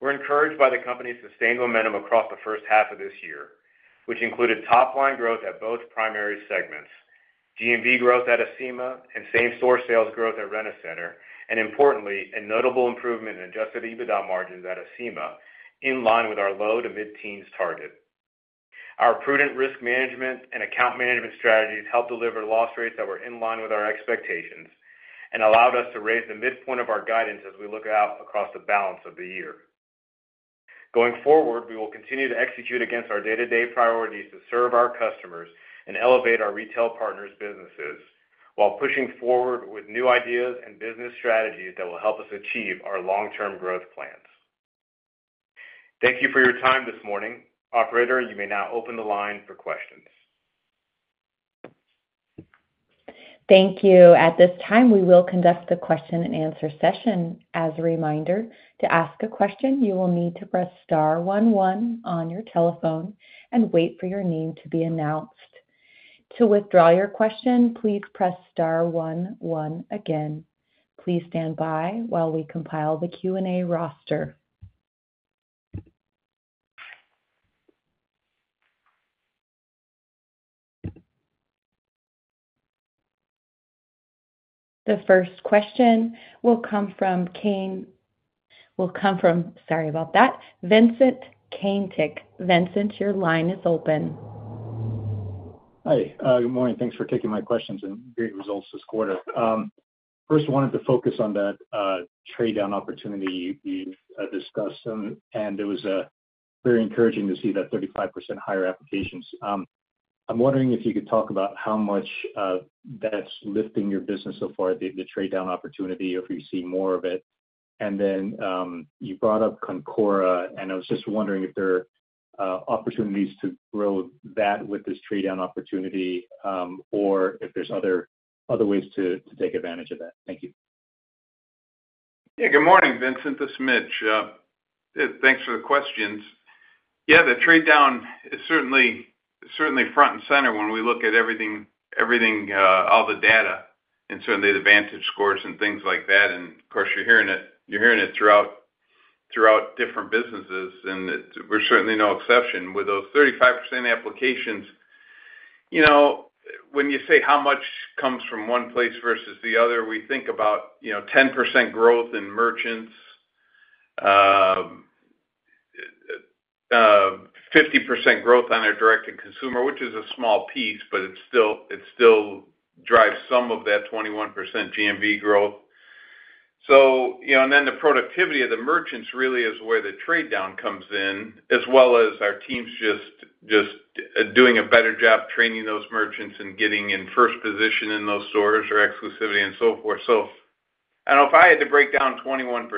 we're encouraged by the company's sustained momentum across the first half of this year, which included top-line growth at both primary segments, GMV growth at Acima, and same store sales growth at Rent-A-Center, and importantly, a notable improvement in adjusted EBITDA margins at Acima in line with our low to mid-teens target. Our prudent risk management and account management strategies helped deliver loss rates that were in line with our expectations and allowed us to raise the midpoint of our guidance as we look out across the balance of the year. Going forward, we will continue to execute against our day-to-day priorities to serve our customers and elevate our retail partners' businesses while pushing forward with new ideas and business strategies that will help us achieve our long-term growth plans. Thank you for your time this morning. Operator, you may now open the line for questions. Thank you. At this time, we will conduct the question-and-answer session. As a reminder, to ask a question, you will need to press star 11 on your telephone and wait for your name to be announced. To withdraw your question, please press star 11 again. Please stand by while we compile the Q&A roster. The first question will come from Cain. Will come from, sorry about that, Vincent Caintic. Vincent, your line is open. Hi. Good morning. Thanks for taking my questions and great results this quarter. First, wanted to focus on that trade-down opportunity you discussed, and it was very encouraging to see that 35% higher applications. I'm wondering if you could talk about how much that's lifting your business so far, the trade-down opportunity, if you see more of it. And then you brought up Concora, and I was just wondering if there are opportunities to grow that with this trade-down opportunity or if there's other ways to take advantage of that. Thank you. Yeah. Good morning, Vincent. This is Mitch. Thanks for the questions. Yeah, the trade-down is certainly front and center when we look at everything, all the data, and certainly the vantage scores and things like that. Of course, you're hearing it throughout different businesses, and we're certainly no exception with those 35% applications. When you say how much comes from one place versus the other, we think about 10% growth in merchants, 50% growth on our direct-to-consumer, which is a small piece, but it still drives some of that 21% GMV growth. And then the productivity of the merchants really is where the trade-down comes in, as well as our teams just doing a better job training those merchants and getting in first position in those stores or exclusivity and so forth. If I had to break down 21%,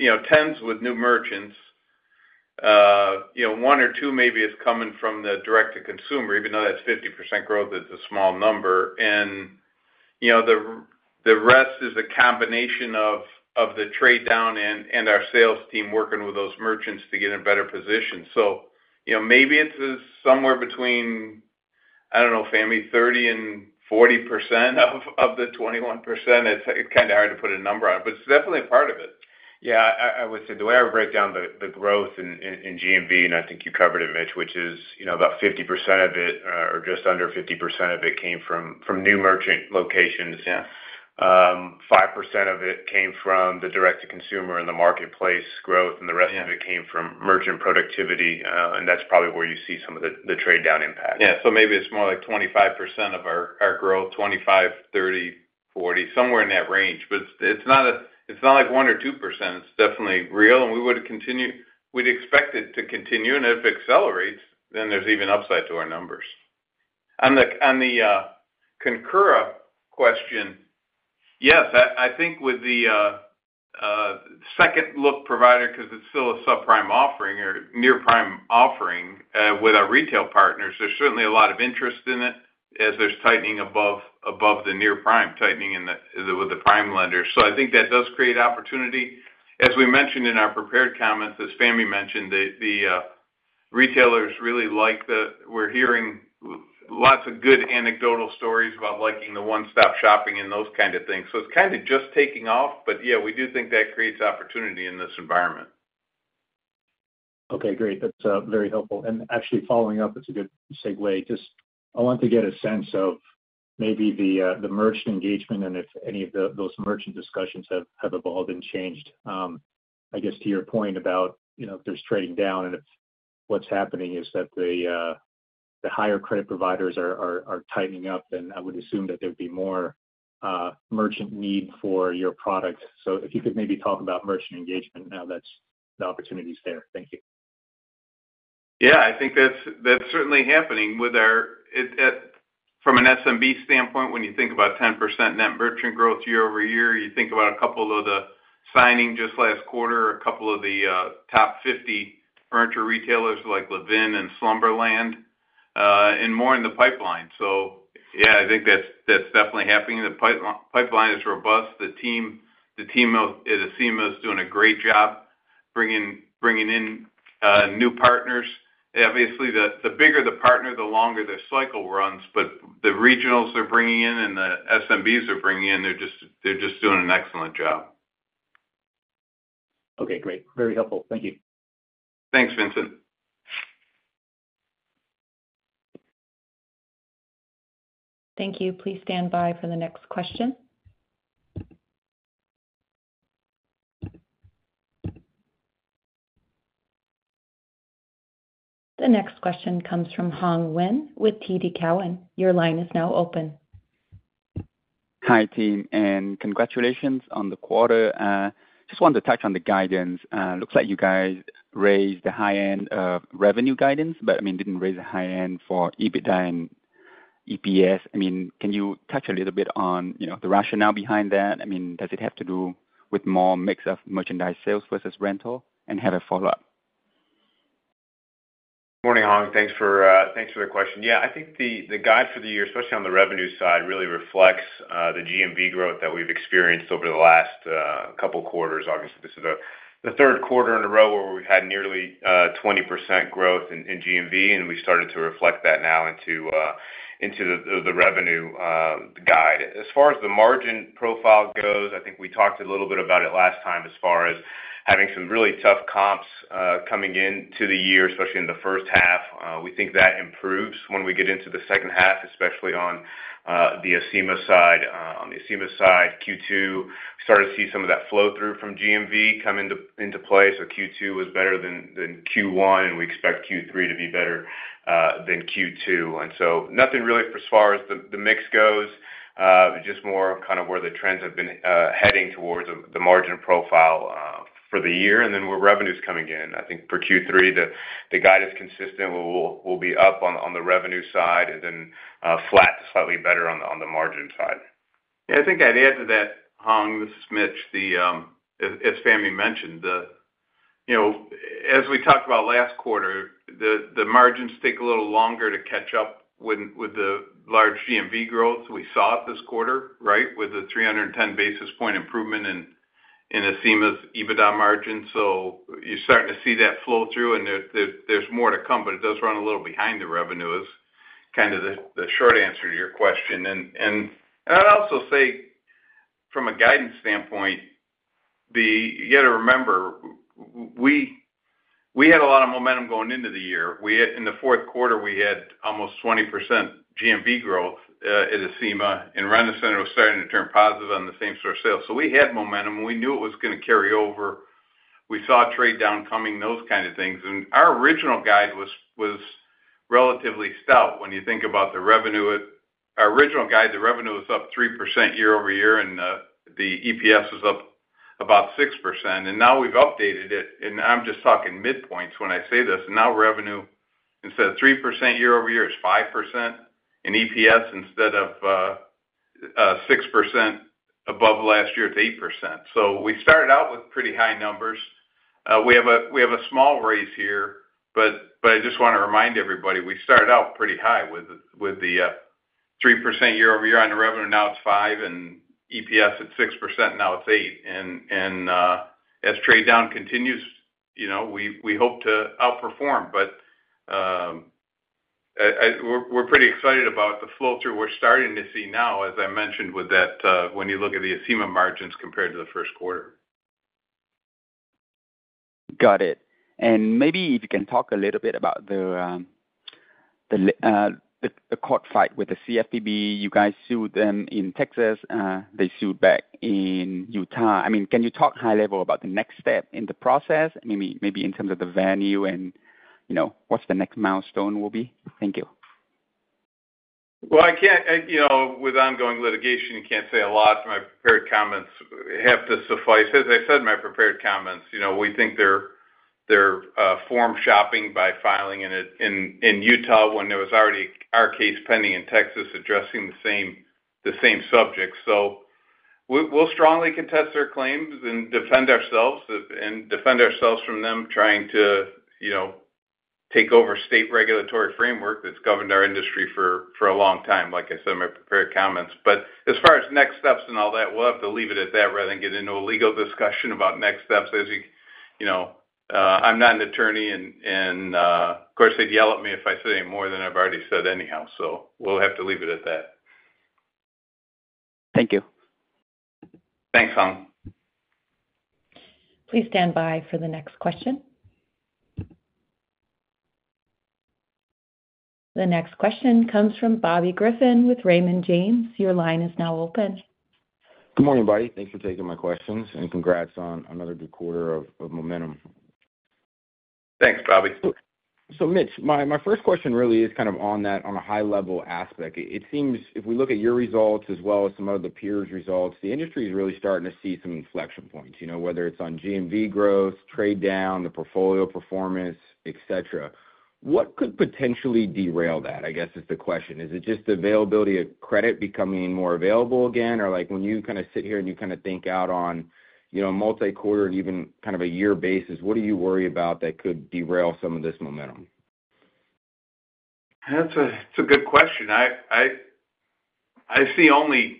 10% is with new merchants, 1% or 2% maybe is coming from the direct-to-consumer, even though that's 50% growth, it's a small number. And the rest is a combination of the trade-down and our sales team working with those merchants to get in a better position. So maybe it's somewhere between, I don't know, Fahmi, 30%-40% of the 21%. It's kind of hard to put a number on it, but it's definitely a part of it. Yeah, I would say the way I would break down the growth in GMV, and I think you covered it, Mitch, which is about 50% of it or just under 50% of it came from new merchant locations. 5% of it came from the direct-to-consumer and the marketplace growth, and the rest of it came from merchant productivity. And that's probably where you see some of the trade-down impact. Yeah. So maybe it's more like 25% of our growth, 25%, 30%, 40%, somewhere in that range. But it's not like 1% or 2%. It's definitely real, and we would expect it to continue. And if it accelerates, then there's even upside to our numbers. On the Concora question, yes, I think with the second-look provider, because it's still a subprime offering or near-prime offering with our retail partners, there's certainly a lot of interest in it as there's tightening above the near-prime, tightening with the prime lenders. So I think that does create opportunity. As we mentioned in our prepared comments, as Fahmi mentioned, the retailers really like that. We're hearing lots of good anecdotal stories about liking the one-stop shopping and those kinds of things. So it's kind of just taking off, but yeah, we do think that creates opportunity in this environment. Okay. Great. That's very helpful. And actually, following up, it's a good segue. Just, I want to get a sense of maybe the merchant engagement and if any of those merchant discussions have evolved and changed. I guess to your point about if there's trading down and if what's happening is that the higher credit providers are tightening up, then I would assume that there would be more merchant need for your product. So if you could maybe talk about merchant engagement, now that's the opportunities there. Thank you. Yeah. I think that's certainly happening from an SMB standpoint, when you think about 10% net merchant growth year-over-year, you think about a couple of the signings just last quarter, a couple of the top 50 furniture retailers like Levin and Slumberland, and more in the pipeline. So yeah, I think that's definitely happening. The pipeline is robust. The team at Acima is doing a great job bringing in new partners. Obviously, the bigger the partner, the longer their cycle runs, but the regionals they're bringing in and the SMBs they're bringing in, they're just doing an excellent job. Okay. Great. Very helpful. Thank you. Thanks, Vincent. Thank you. Please stand by for the next question. The next question comes from Hoang Nguyen with TD Cowen. Your line is now open. Hi, team. And congratulations on the quarter. Just wanted to touch on the guidance. Looks like you guys raised the high-end revenue guidance, but I mean, didn't raise the high-end for EBITDA and EPS. I mean, can you touch a little bit on the rationale behind that? I mean, does it have to do with more mix of merchandise sales versus rental? And have a follow-up. Morning, Hoang. Thanks for the question. Yeah, I think the guide for the year, especially on the revenue side, really reflects the GMV growth that we've experienced over the last couple of quarters. Obviously, this is the third quarter in a row where we've had nearly 20% growth in GMV, and we started to reflect that now into the revenue guide. As far as the margin profile goes, I think we talked a little bit about it last time as far as having some really tough comps coming into the year, especially in the first half. We think that improves when we get into the second half, especially on the Acima side. On the Acima side, Q2, we started to see some of that flow-through from GMV come into play. So Q2 was better than Q1, and we expect Q3 to be better than Q2. So nothing really as far as the mix goes, just more kind of where the trends have been heading towards the margin profile for the year. And then with revenues coming in, I think for Q3, the guide is consistent. We'll be up on the revenue side and then flat to slightly better on the margin side. Yeah. I think I'd add to that, Hoang, this is Mitch. As Fahmi mentioned, as we talked about last quarter, the margins take a little longer to catch up with the large GMV growth we saw this quarter, right, with the 310 basis point improvement in Acima's EBITDA margin. So you're starting to see that flow-through, and there's more to come, but it does run a little behind the revenue is kind of the short answer to your question. And I'd also say from a guidance standpoint, you got to remember we had a lot of momentum going into the year. In the fourth quarter, we had almost 20% GMV growth at Acima, and Rent-A-Center was starting to turn positive on the same store sales. So we had momentum. We knew it was going to carry over. We saw trade-down coming, those kinds of things. And our original guide was relatively stout. When you think about the revenue, our original guide, the revenue was up 3% year-over-year, and the EPS was up about 6%. And now we've updated it, and I'm just talking midpoints when I say this. And now revenue, instead of 3% year-over-year, it's 5%, and EPS instead of 6% above last year, it's 8%. So we started out with pretty high numbers. We have a small raise here, but I just want to remind everybody we started out pretty high with the 3% year-over-year on the revenue. Now it's 5%, and EPS at 6%, now it's 8%. And as trade-down continues, we hope to outperform, but we're pretty excited about the flow-through we're starting to see now, as I mentioned, when you look at the Acima margins compared to the first quarter. Got it. And maybe if you can talk a little bit about the court fight with the CFPB. You guys sued them in Texas. They sued back in Utah. I mean, can you talk high-level about the next step in the process, maybe in terms of the venue and what's the next milestone will be? Thank you. Well, I can't, with ongoing litigation, you can't say a lot. My prepared comments have to suffice. As I said in my prepared comments, we think they're forum shopping by filing in Utah when there was already our case pending in Texas addressing the same subject. So we'll strongly contest their claims and defend ourselves and defend ourselves from them trying to take over state regulatory framework that's governed our industry for a long time, like I said in my prepared comments. But as far as next steps and all that, we'll have to leave it at that rather than get into a legal discussion about next steps. As you know, I'm not an attorney, and of course, they'd yell at me if I said any more than I've already said anyhow. So we'll have to leave it at that. Thank you. Thanks, Hoang. Please stand by for the next question. The next question comes from Bobby Griffin with Raymond James. Your line is now open. Good morning, everybody. Thanks for taking my questions, and congrats on another good quarter of momentum. Thanks, Bobby. So Mitch, my first question really is kind of on a high-level aspect. It seems if we look at your results as well as some of the peers' results, the industry is really starting to see some inflection points, whether it's on GMV growth, trade-down, the portfolio performance, etc. What could potentially derail that, I guess, is the question. Is it just the availability of credit becoming more available again? Or when you kind of sit here and you kind of think out on a multi-quarter and even kind of a year basis, what do you worry about that could derail some of this momentum? That's a good question. I see only,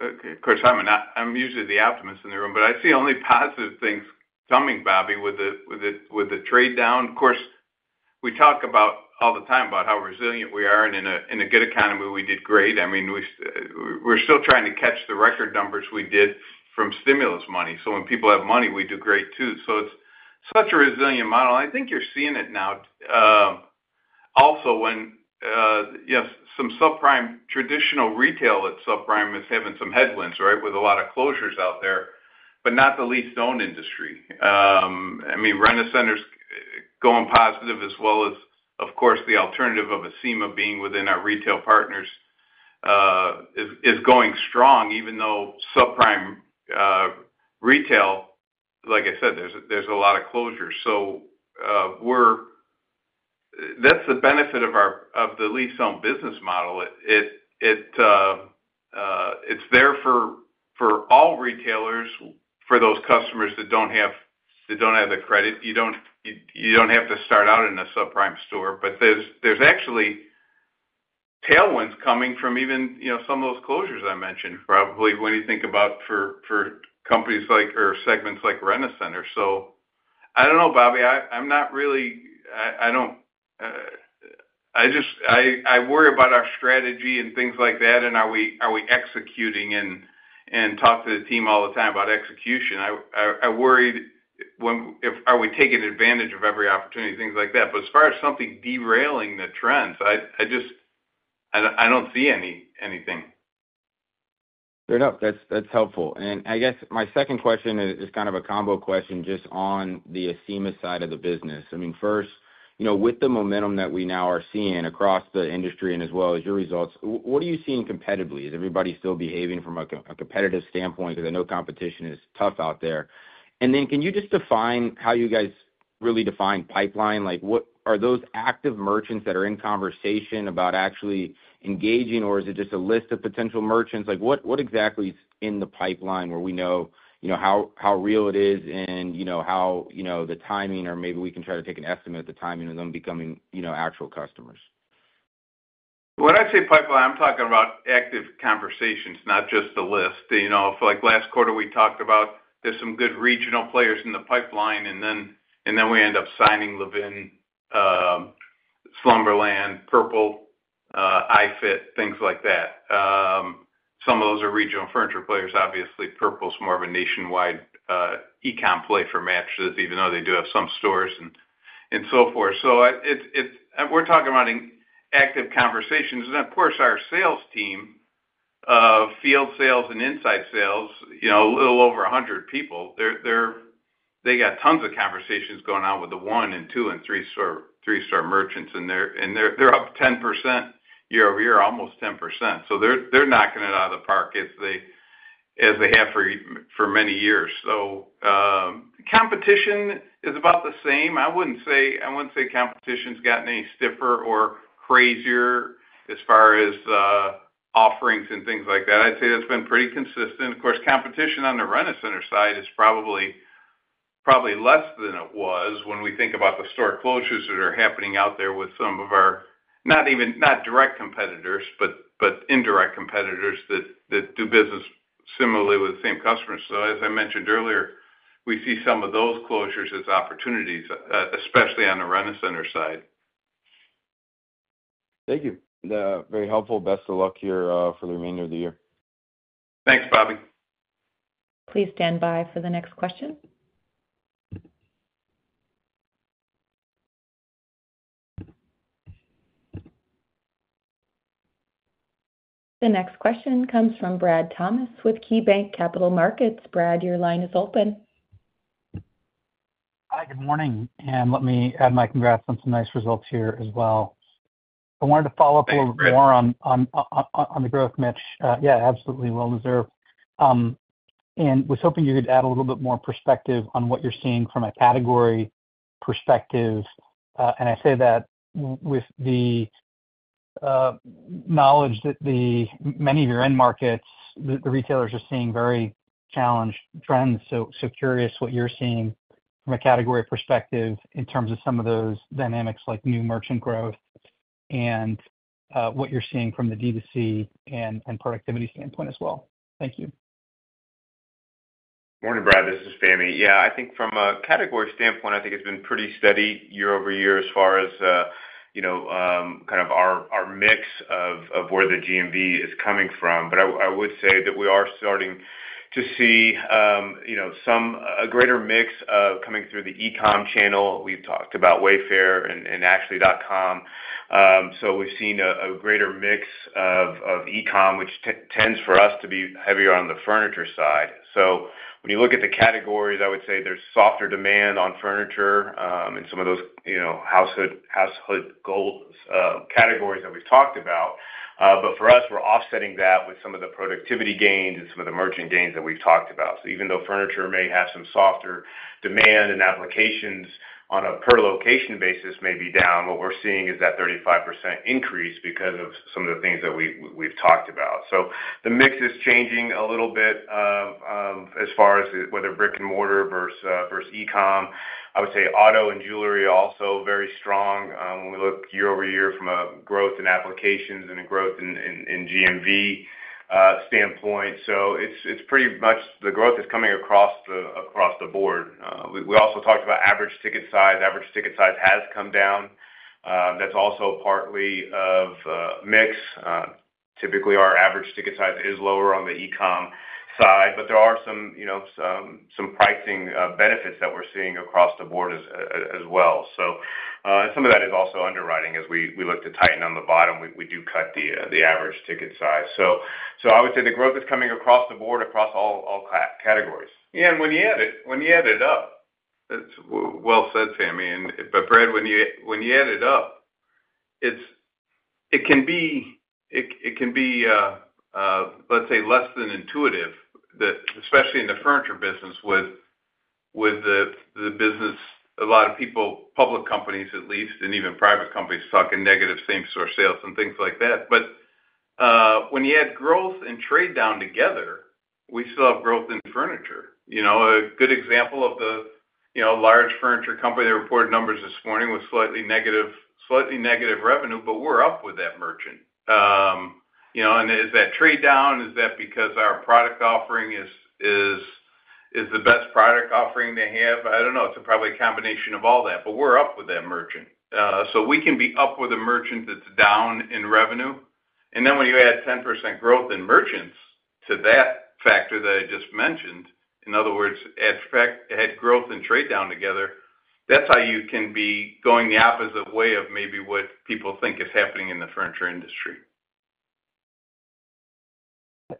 of course, I'm usually the optimist in the room, but I see only positive things coming, Bobby, with the trade-down. Of course, we talk all the time about how resilient we are, and in a good economy, we did great. I mean, we're still trying to catch the record numbers we did from stimulus money. So when people have money, we do great too. So it's such a resilient model. I think you're seeing it now also when some subprime traditional retail at subprime is having some headwinds, right, with a lot of closures out there, but not the lease-t-own industry. I mean, Rent-A-Center's going positive as well as, of course, the alternative of Acima being within our retail partners is going strong, even though subprime retail, like I said, there's a lot of closures. That's the benefit of the lease-to-own business model. It's there for all retailers, for those customers that don't have the credit. You don't have to start out in a subprime store, but there's actually tailwinds coming from even some of those closures I mentioned, probably when you think about for companies or segments like Rent-A-Center. So I don't know, Bobby. I don't worry about our strategy and things like that, and are we executing? And talk to the team all the time about execution. I worried, are we taking advantage of every opportunity, things like that? But as far as something derailing the trends, I don't see anything. Fair enough. That's helpful. And I guess my second question is kind of a combo question just on the Acima side of the business. I mean, first, with the momentum that we now are seeing across the industry and as well as your results, what are you seeing competitively? Is everybody still behaving from a competitive standpoint? Because I know competition is tough out there. Then can you just define how you guys really define pipeline? Are those active merchants that are in conversation about actually engaging, or is it just a list of potential merchants? What exactly is in the pipeline where we know how real it is and how the timing, or maybe we can try to take an estimate of the timing of them becoming actual customers? When I say pipeline, I'm talking about active conversations, not just the list. For last quarter, we talked about there's some good regional players in the pipeline, and then we end up signing Levin, Slumberland, Purple, iFIT, things like that. Some of those are regional furniture players. Obviously, Purple's more of a nationwide e-comm play for mattresses, even though they do have some stores and so forth. So we're talking about active conversations. Of course, our sales team, field sales and inside sales, a little over 100 people, they got tons of conversations going on with the one and two and three-star merchants, and they're up 10% year-over-year, almost 10%. So they're knocking it out of the park as they have for many years. Competition is about the same. I wouldn't say competition's gotten any stiffer or crazier as far as offerings and things like that. I'd say that's been pretty consistent. Of course, competition on the Rent-A-Center side is probably less than it was when we think about the store closures that are happening out there with some of our not direct competitors, but indirect competitors that do business similarly with the same customers. So as I mentioned earlier, we see some of those closures as opportunities, especially on the Rent-A-Center side. Thank you. Very helpful. Best of luck here for the remainder of the year. Thanks, Bobby. Please stand by for the next question. The next question comes from Brad Thomas with KeyBanc Capital Markets. Brad, your line is open. Hi, good morning. And let me add my congrats on some nice results here as well. I wanted to follow up a little bit more on the growth, Mitch. Yeah, absolutely well-deserved. And was hoping you could add a little bit more perspective on what you're seeing from a category perspective. And I say that with the knowledge that many of your end markets, the retailers are seeing very challenged trends. So curious what you're seeing from a category perspective in terms of some of those dynamics like new merchant growth and what you're seeing from the D2C and productivity standpoint as well. Thank you. Morning, Brad. This is Fahmi. Yeah, I think from a category standpoint, I think it's been pretty steady year-over-year as far as kind of our mix of where the GMV is coming from. But I would say that we are starting to see a greater mix of coming through the e-comm channel. We've talked about Wayfair and Ashley.com. So we've seen a greater mix of e-comm, which tends for us to be heavier on the furniture side. So when you look at the categories, I would say there's softer demand on furniture and some of those household categories that we've talked about. But for us, we're offsetting that with some of the productivity gains and some of the merchant gains that we've talked about. So even though furniture may have some softer demand and applications on a per-location basis may be down, what we're seeing is that 35% increase because of some of the things that we've talked about. So the mix is changing a little bit as far as whether brick and mortar versus e-comm. I would say auto and jewelry are also very strong when we look year-over-year from a growth in applications and a growth in GMV standpoint. So it's pretty much the growth is coming across the board. We also talked about average ticket size. Average ticket size has come down. That's also partly of mix. Typically, our average ticket size is lower on the e-comm side, but there are some pricing benefits that we're seeing across the board as well. So some of that is also underwriting as we look to tighten on the bottom. We do cut the average ticket size. So I would say the growth is coming across the board across all categories. Yeah, and when you add it up, that's well said, Fahmi. But Brad, when you add it up, it can be, let's say, less than intuitive, especially in the furniture business with the business. A lot of people, public companies at least, and even private companies talking negative same-store sales and things like that. But when you add growth and trade-down together, we still have growth in furniture. A good example of the large furniture company that reported numbers this morning with slightly negative revenue, but we're up with that merchant. And is that trade-down? Is that because our product offering is the best product offering they have? I don't know. It's probably a combination of all that, but we're up with that merchant. We can be up with a merchant that's down in revenue. And then when you add 10% growth in merchants to that factor that I just mentioned, in other words, add growth and trade-down together, that's how you can be going the opposite way of maybe what people think is happening in the furniture industry.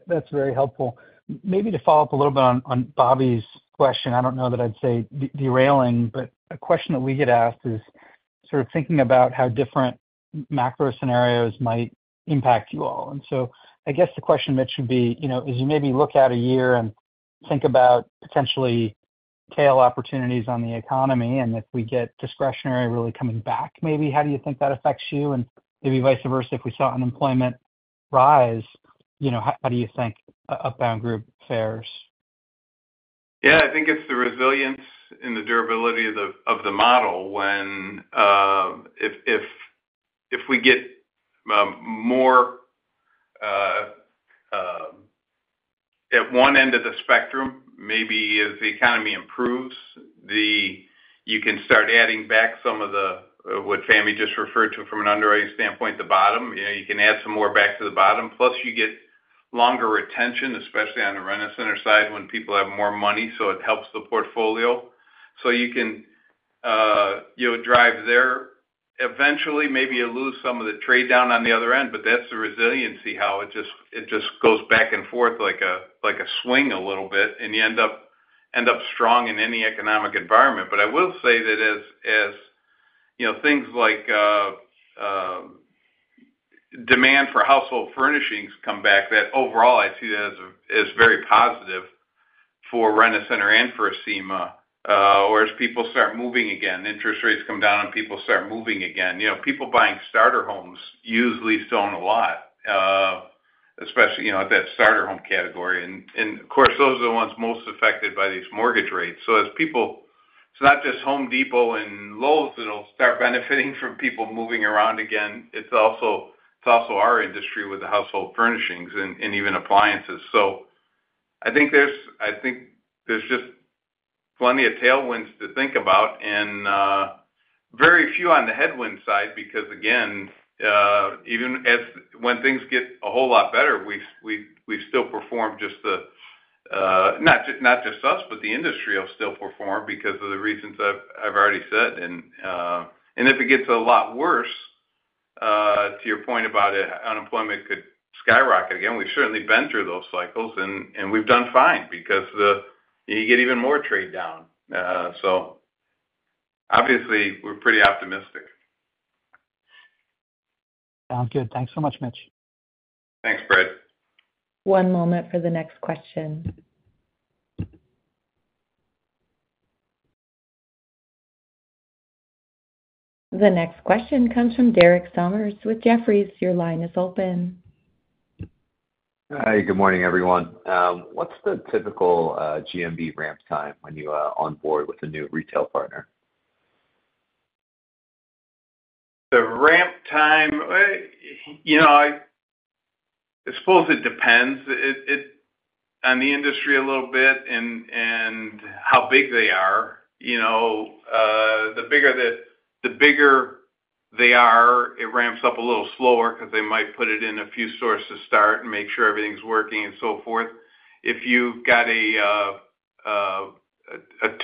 That's very helpful. Maybe to follow up a little bit on Bobby's question, I don't know that I'd say derailing, but a question that we get asked is sort of thinking about how different macro scenarios might impact you all. And so I guess the question, Mitch, would be, as you maybe look at a year and think about potentially tail opportunities on the economy, and if we get discretionary really coming back, maybe, how do you think that affects you? And maybe vice versa, if we saw unemployment rise, how do you think Upbound Group fares? Yeah, I think it's the resilience and the durability of the model when if we get more at one end of the spectrum, maybe as the economy improves, you can start adding back some of the what Fahmi just referred to from an underwriting standpoint, the bottom. You can add some more back to the bottom. Plus, you get longer retention, especially on the Rent-A-Center side when people have more money, so it helps the portfolio. You can drive there. Eventually, maybe you lose some of the trade-down on the other end, but that's the resiliency, how it just goes back and forth like a swing a little bit, and you end up strong in any economic environment. I will say that as things like demand for household furnishings come back, that overall, I see that as very positive for Rent-A-Center and for Acima, whereas people start moving again. Interest rates come down and people start moving again. People buying starter homes usually still own a lot, especially at that starter home category. And of course, those are the ones most affected by these mortgage rates. So it's not just Home Depot and Lowe's that'll start benefiting from people moving around again. It's also our industry with the household furnishings and even appliances. I think there's just plenty of tailwinds to think about and very few on the headwind side because, again, even when things get a whole lot better, we still perform just the not just us, but the industry will still perform because of the reasons I've already said. And if it gets a lot worse, to your point about unemployment could skyrocket again, we've certainly been through those cycles, and we've done fine because you get even more trade-down. So obviously, we're pretty optimistic. Sounds good. Thanks so much, Mitch. Thanks, Brad. One moment for the next question. The next question comes from Derek Sommers with Jefferies. Your line is open. Hi, good morning, everyone. What's the typical GMV ramp time when you onboard with a new retail partner? The ramp time, I suppose it depends on the industry a little bit and how big they are. The bigger they are, it ramps up a little slower because they might put it in a few stores to start and make sure everything's working and so forth. If you've got a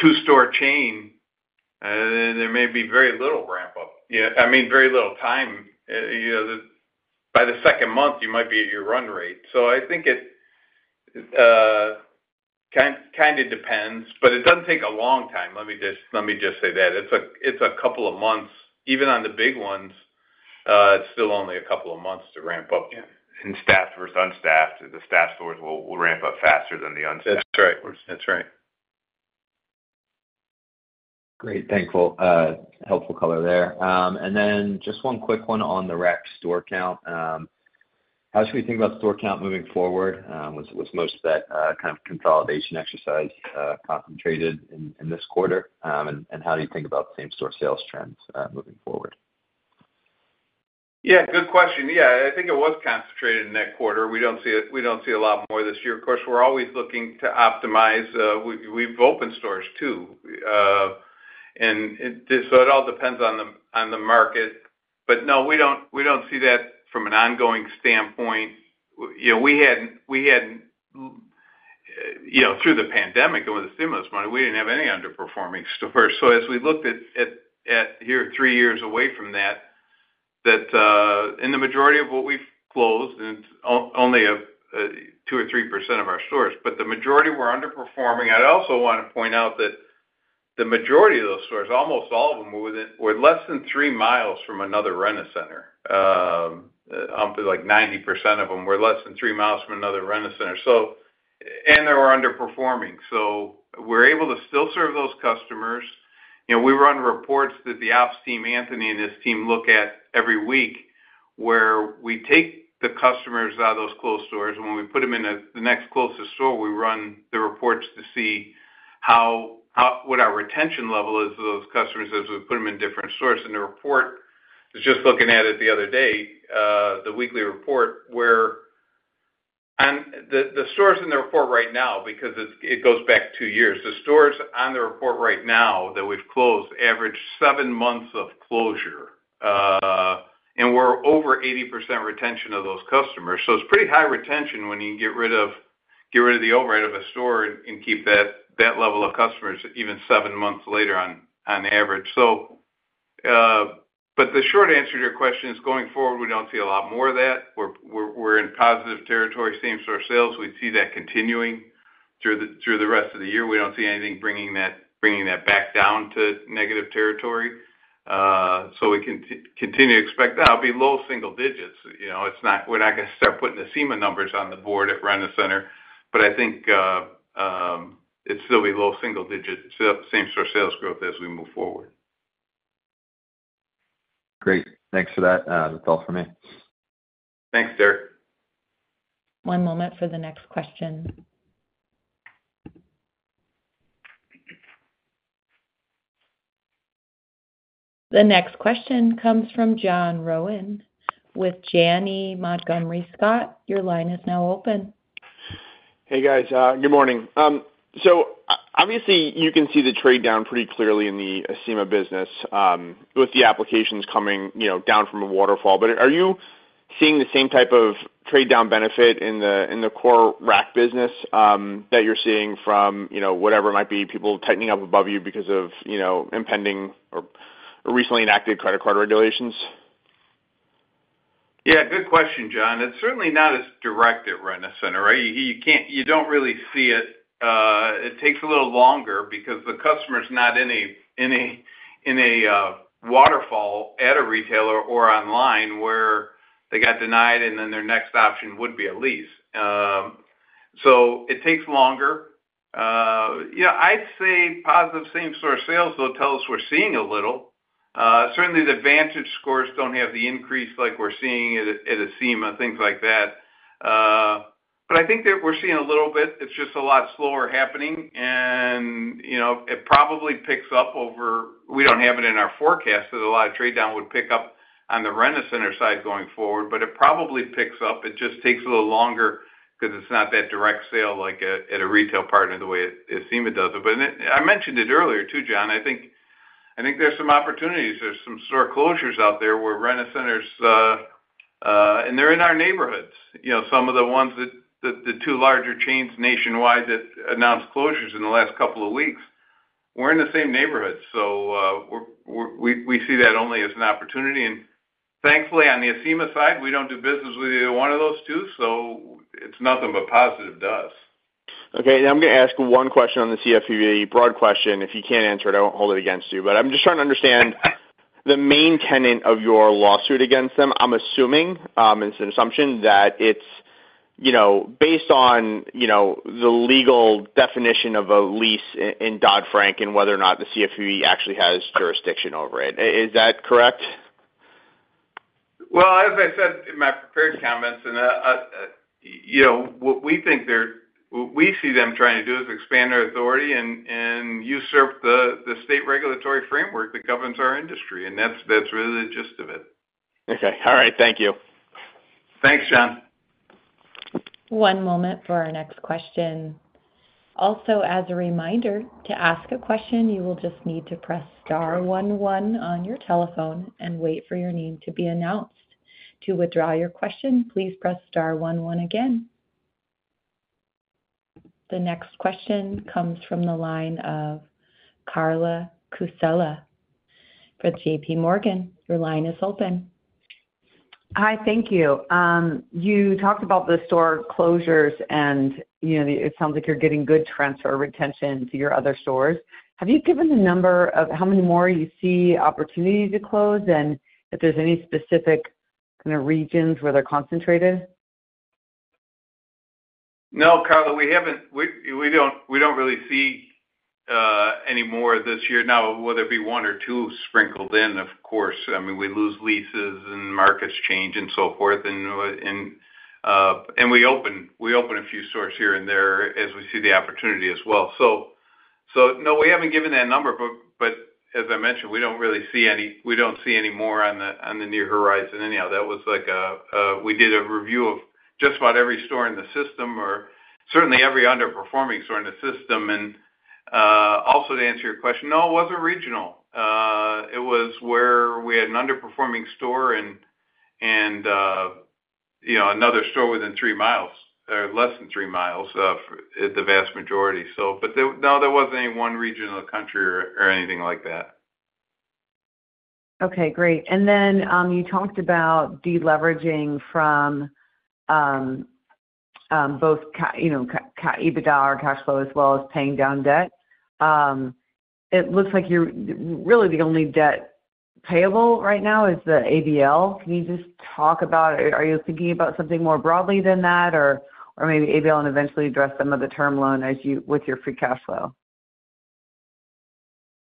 two-store chain, there may be very little ramp-up. I mean, very little time. By the second month, you might be at your run rate. So I think it kind of depends, but it doesn't take a long time. Let me just say that. It's a couple of months. Even on the big ones, it's still only a couple of months to ramp up. And staffed versus unstaffed, the staffed stores will ramp up faster than the unstaffed stores. That's right. That's right. Great. Thankful. Helpful color there. And then just one quick one on the RAC store count. How should we think about store count moving forward? Was most of that kind of consolidation exercise concentrated in this quarter? And how do you think about same-store sales trends moving forward? Yeah, good question. Yeah, I think it was concentrated in that quarter. We don't see a lot more this year. Of course, we're always looking to optimize. We've opened stores too. It all depends on the market. But no, we don't see that from an ongoing standpoint. We hadn't through the pandemic and with the stimulus money, we didn't have any underperforming stores. As we looked at here three years away from that, in the majority of what we've closed, and it's only 2% or 3% of our stores, but the majority were underperforming. I also want to point out that the majority of those stores, almost all of them, were less than three miles from another Rent-A-Center. Like 90% of them were less than 3 mi from another Rent-A-Center. And they were underperforming. We're able to still serve those customers. We run reports that the ops team, Anthony and his team, look at every week where we take the customers out of those closed stores. When we put them in the next closest store, we run the reports to see what our retention level is of those customers as we put them in different stores. The report, I was just looking at it the other day, the weekly report, where the stores in the report right now, because it goes back two years, the stores on the report right now that we've closed average seven months of closure. We're over 80% retention of those customers. It's pretty high retention when you get rid of the overhead of a store and keep that level of customers even seven months later on average. The short answer to your question is going forward, we don't see a lot more of that. We're in positive territory. Same-store sales, we see that continuing through the rest of the year. We don't see anything bringing that back down to negative territory. So we can continue to expect that. It'll be low single digits. We're not going to start putting Acima numbers on the board at Rent-A-Center. But I think it's still going to be low single digits, same-store sales growth as we move forward. Great. Thanks for that. That's all for me. Thanks, Derek. One moment for the next question. The next question comes from John Rowan with Janney Montgomery Scott. Your line is now open. Hey, guys. Good morning. So obviously, you can see the trade-down pretty clearly in the Acima business with the applications coming down from a waterfall. But are you seeing the same type of trade-down benefit in the core RAC business that you're seeing from whatever it might be, people tightening up above you because of impending or recently enacted credit card regulations? Yeah, good question, John. It's certainly not as direct at Rent-A-Center, right? You don't really see it. It takes a little longer because the customer's not in a waterfall at a retailer or online where they got denied, and then their next option would be a lease. So it takes longer. Yeah, I'd say positive same-store sales will tell us we're seeing a little. Certainly, the vantage scores don't have the increase like we're seeing at Acima, things like that. But I think that we're seeing a little bit. It's just a lot slower happening. And it probably picks up over we don't have it in our forecast that a lot of trade-down would pick up on the Rent-A-Center side going forward, but it probably picks up. It just takes a little longer because it's not that direct sale like at a retail partner the way Acima does it. But I mentioned it earlier too, John. I think there's some opportunities. There's some store closures out there where Rent-A-Center's and they're in our neighborhoods. Some of the ones that the two larger chains nationwide that announced closures in the last couple of weeks, we're in the same neighborhood. So we see that only as an opportunity. And thankfully, on the Acima side, we don't do business with either one of those two. So it's nothing but positive to us. Okay. I'm going to ask one question on the CFPB, broad question. If you can't answer it, I won't hold it against you. But I'm just trying to understand the main tenet of your lawsuit against them. I'm assuming, and it's an assumption, that it's based on the legal definition of a lease in Dodd-Frank and whether or not the CFPB actually has jurisdiction over it. Is that correct? Well, as I said in my prepared comments, and what we think they're we see them trying to do is expand their authority and usurp the state regulatory framework that governs our industry. And that's really the gist of it. Okay. All right. Thank you. Thanks, John. One moment for our next question. Also, as a reminder to ask a question, you will just need to press star 11 on your telephone and wait for your name to be announced. To withdraw your question, please press star 11 again. The next question comes from the line of Carla Casella for JPMorgan. Your line is open. Hi, thank you. You talked about the store closures, and it sounds like you're getting good transfer retention to your other stores. Have you given the number of how many more you see opportunity to close and if there's any specific regions where they're concentrated? No, Carla, we haven't. We don't really see any more this year. Now, whether it be one or two sprinkled in, of course. I mean, we lose leases and markets change and so forth. And we open a few stores here and there as we see the opportunity as well. So no, we haven't given that number. But as I mentioned, we don't really see any we don't see any more on the near horizon anyhow. That was like a we did a review of just about every store in the system or certainly every underperforming store in the system. Also to answer your question, no, it wasn't regional. It was where we had an underperforming store and another store within three miles or less than three miles of the vast majority. But no, there wasn't any one region of the country or anything like that. Okay, great. Then you talked about deleveraging from both EBITDA or cash flow as well as paying down debt. It looks like you're really the only debt payable right now is the ABL. Can you just talk about are you thinking about something more broadly than that or maybe ABL and eventually address some of the term loan with your free cash flow?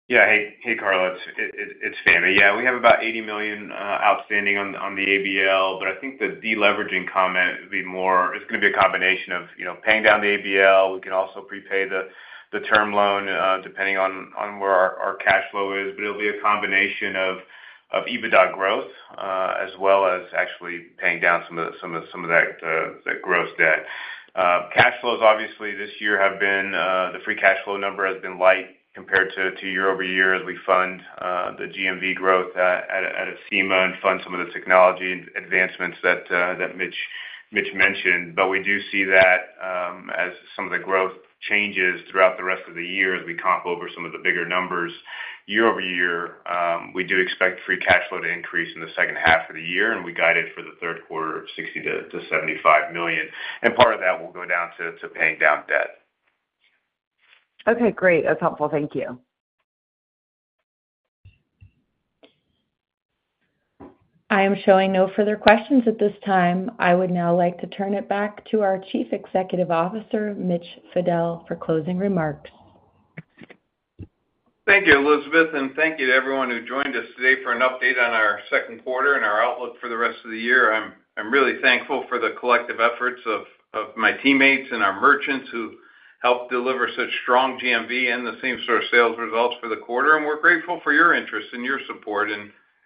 Yeah. Hey, Carla. It's Fahmi. Yeah, we have about $80 million outstanding on the ABL. But I think the deleveraging comment would be more it's going to be a combination of paying down the ABL. We can also prepay the term loan depending on where our cash flow is. But it'll be a combination of EBITDA growth as well as actually paying down some of that gross debt. Cash flows, obviously, this year have been the free cash flow number has been light compared to year-over-year as we fund the GMV growth at Acima and fund some of the technology advancements that Mitch mentioned. But we do see that as some of the growth changes throughout the rest of the year as we comp over some of the bigger numbers. Year-over-year, we do expect free cash flow to increase in the second half of the year, and we guide it for the third quarter, $60 million-$75 million. And part of that will go down to paying down debt. Okay, great. That's helpful. Thank you. I am showing no further questions at this time. I would now like to turn it back to our Chief Executive Officer, Mitch Fadel, for closing remarks. Thank you, Elizabeth. Thank you to everyone who joined us today for an update on our second quarter and our outlook for the rest of the year. I'm really thankful for the collective efforts of my teammates and our merchants who helped deliver such strong GMV and same-store sales results for the quarter. We're grateful for your interest and your support.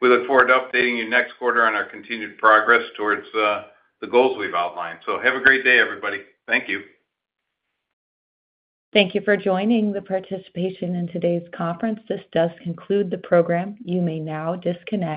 We look forward to updating you next quarter on our continued progress towards the goals we've outlined. Have a great day, everybody. Thank you. Thank you for joining the participation in today's conference. This does conclude the program. You may now disconnect.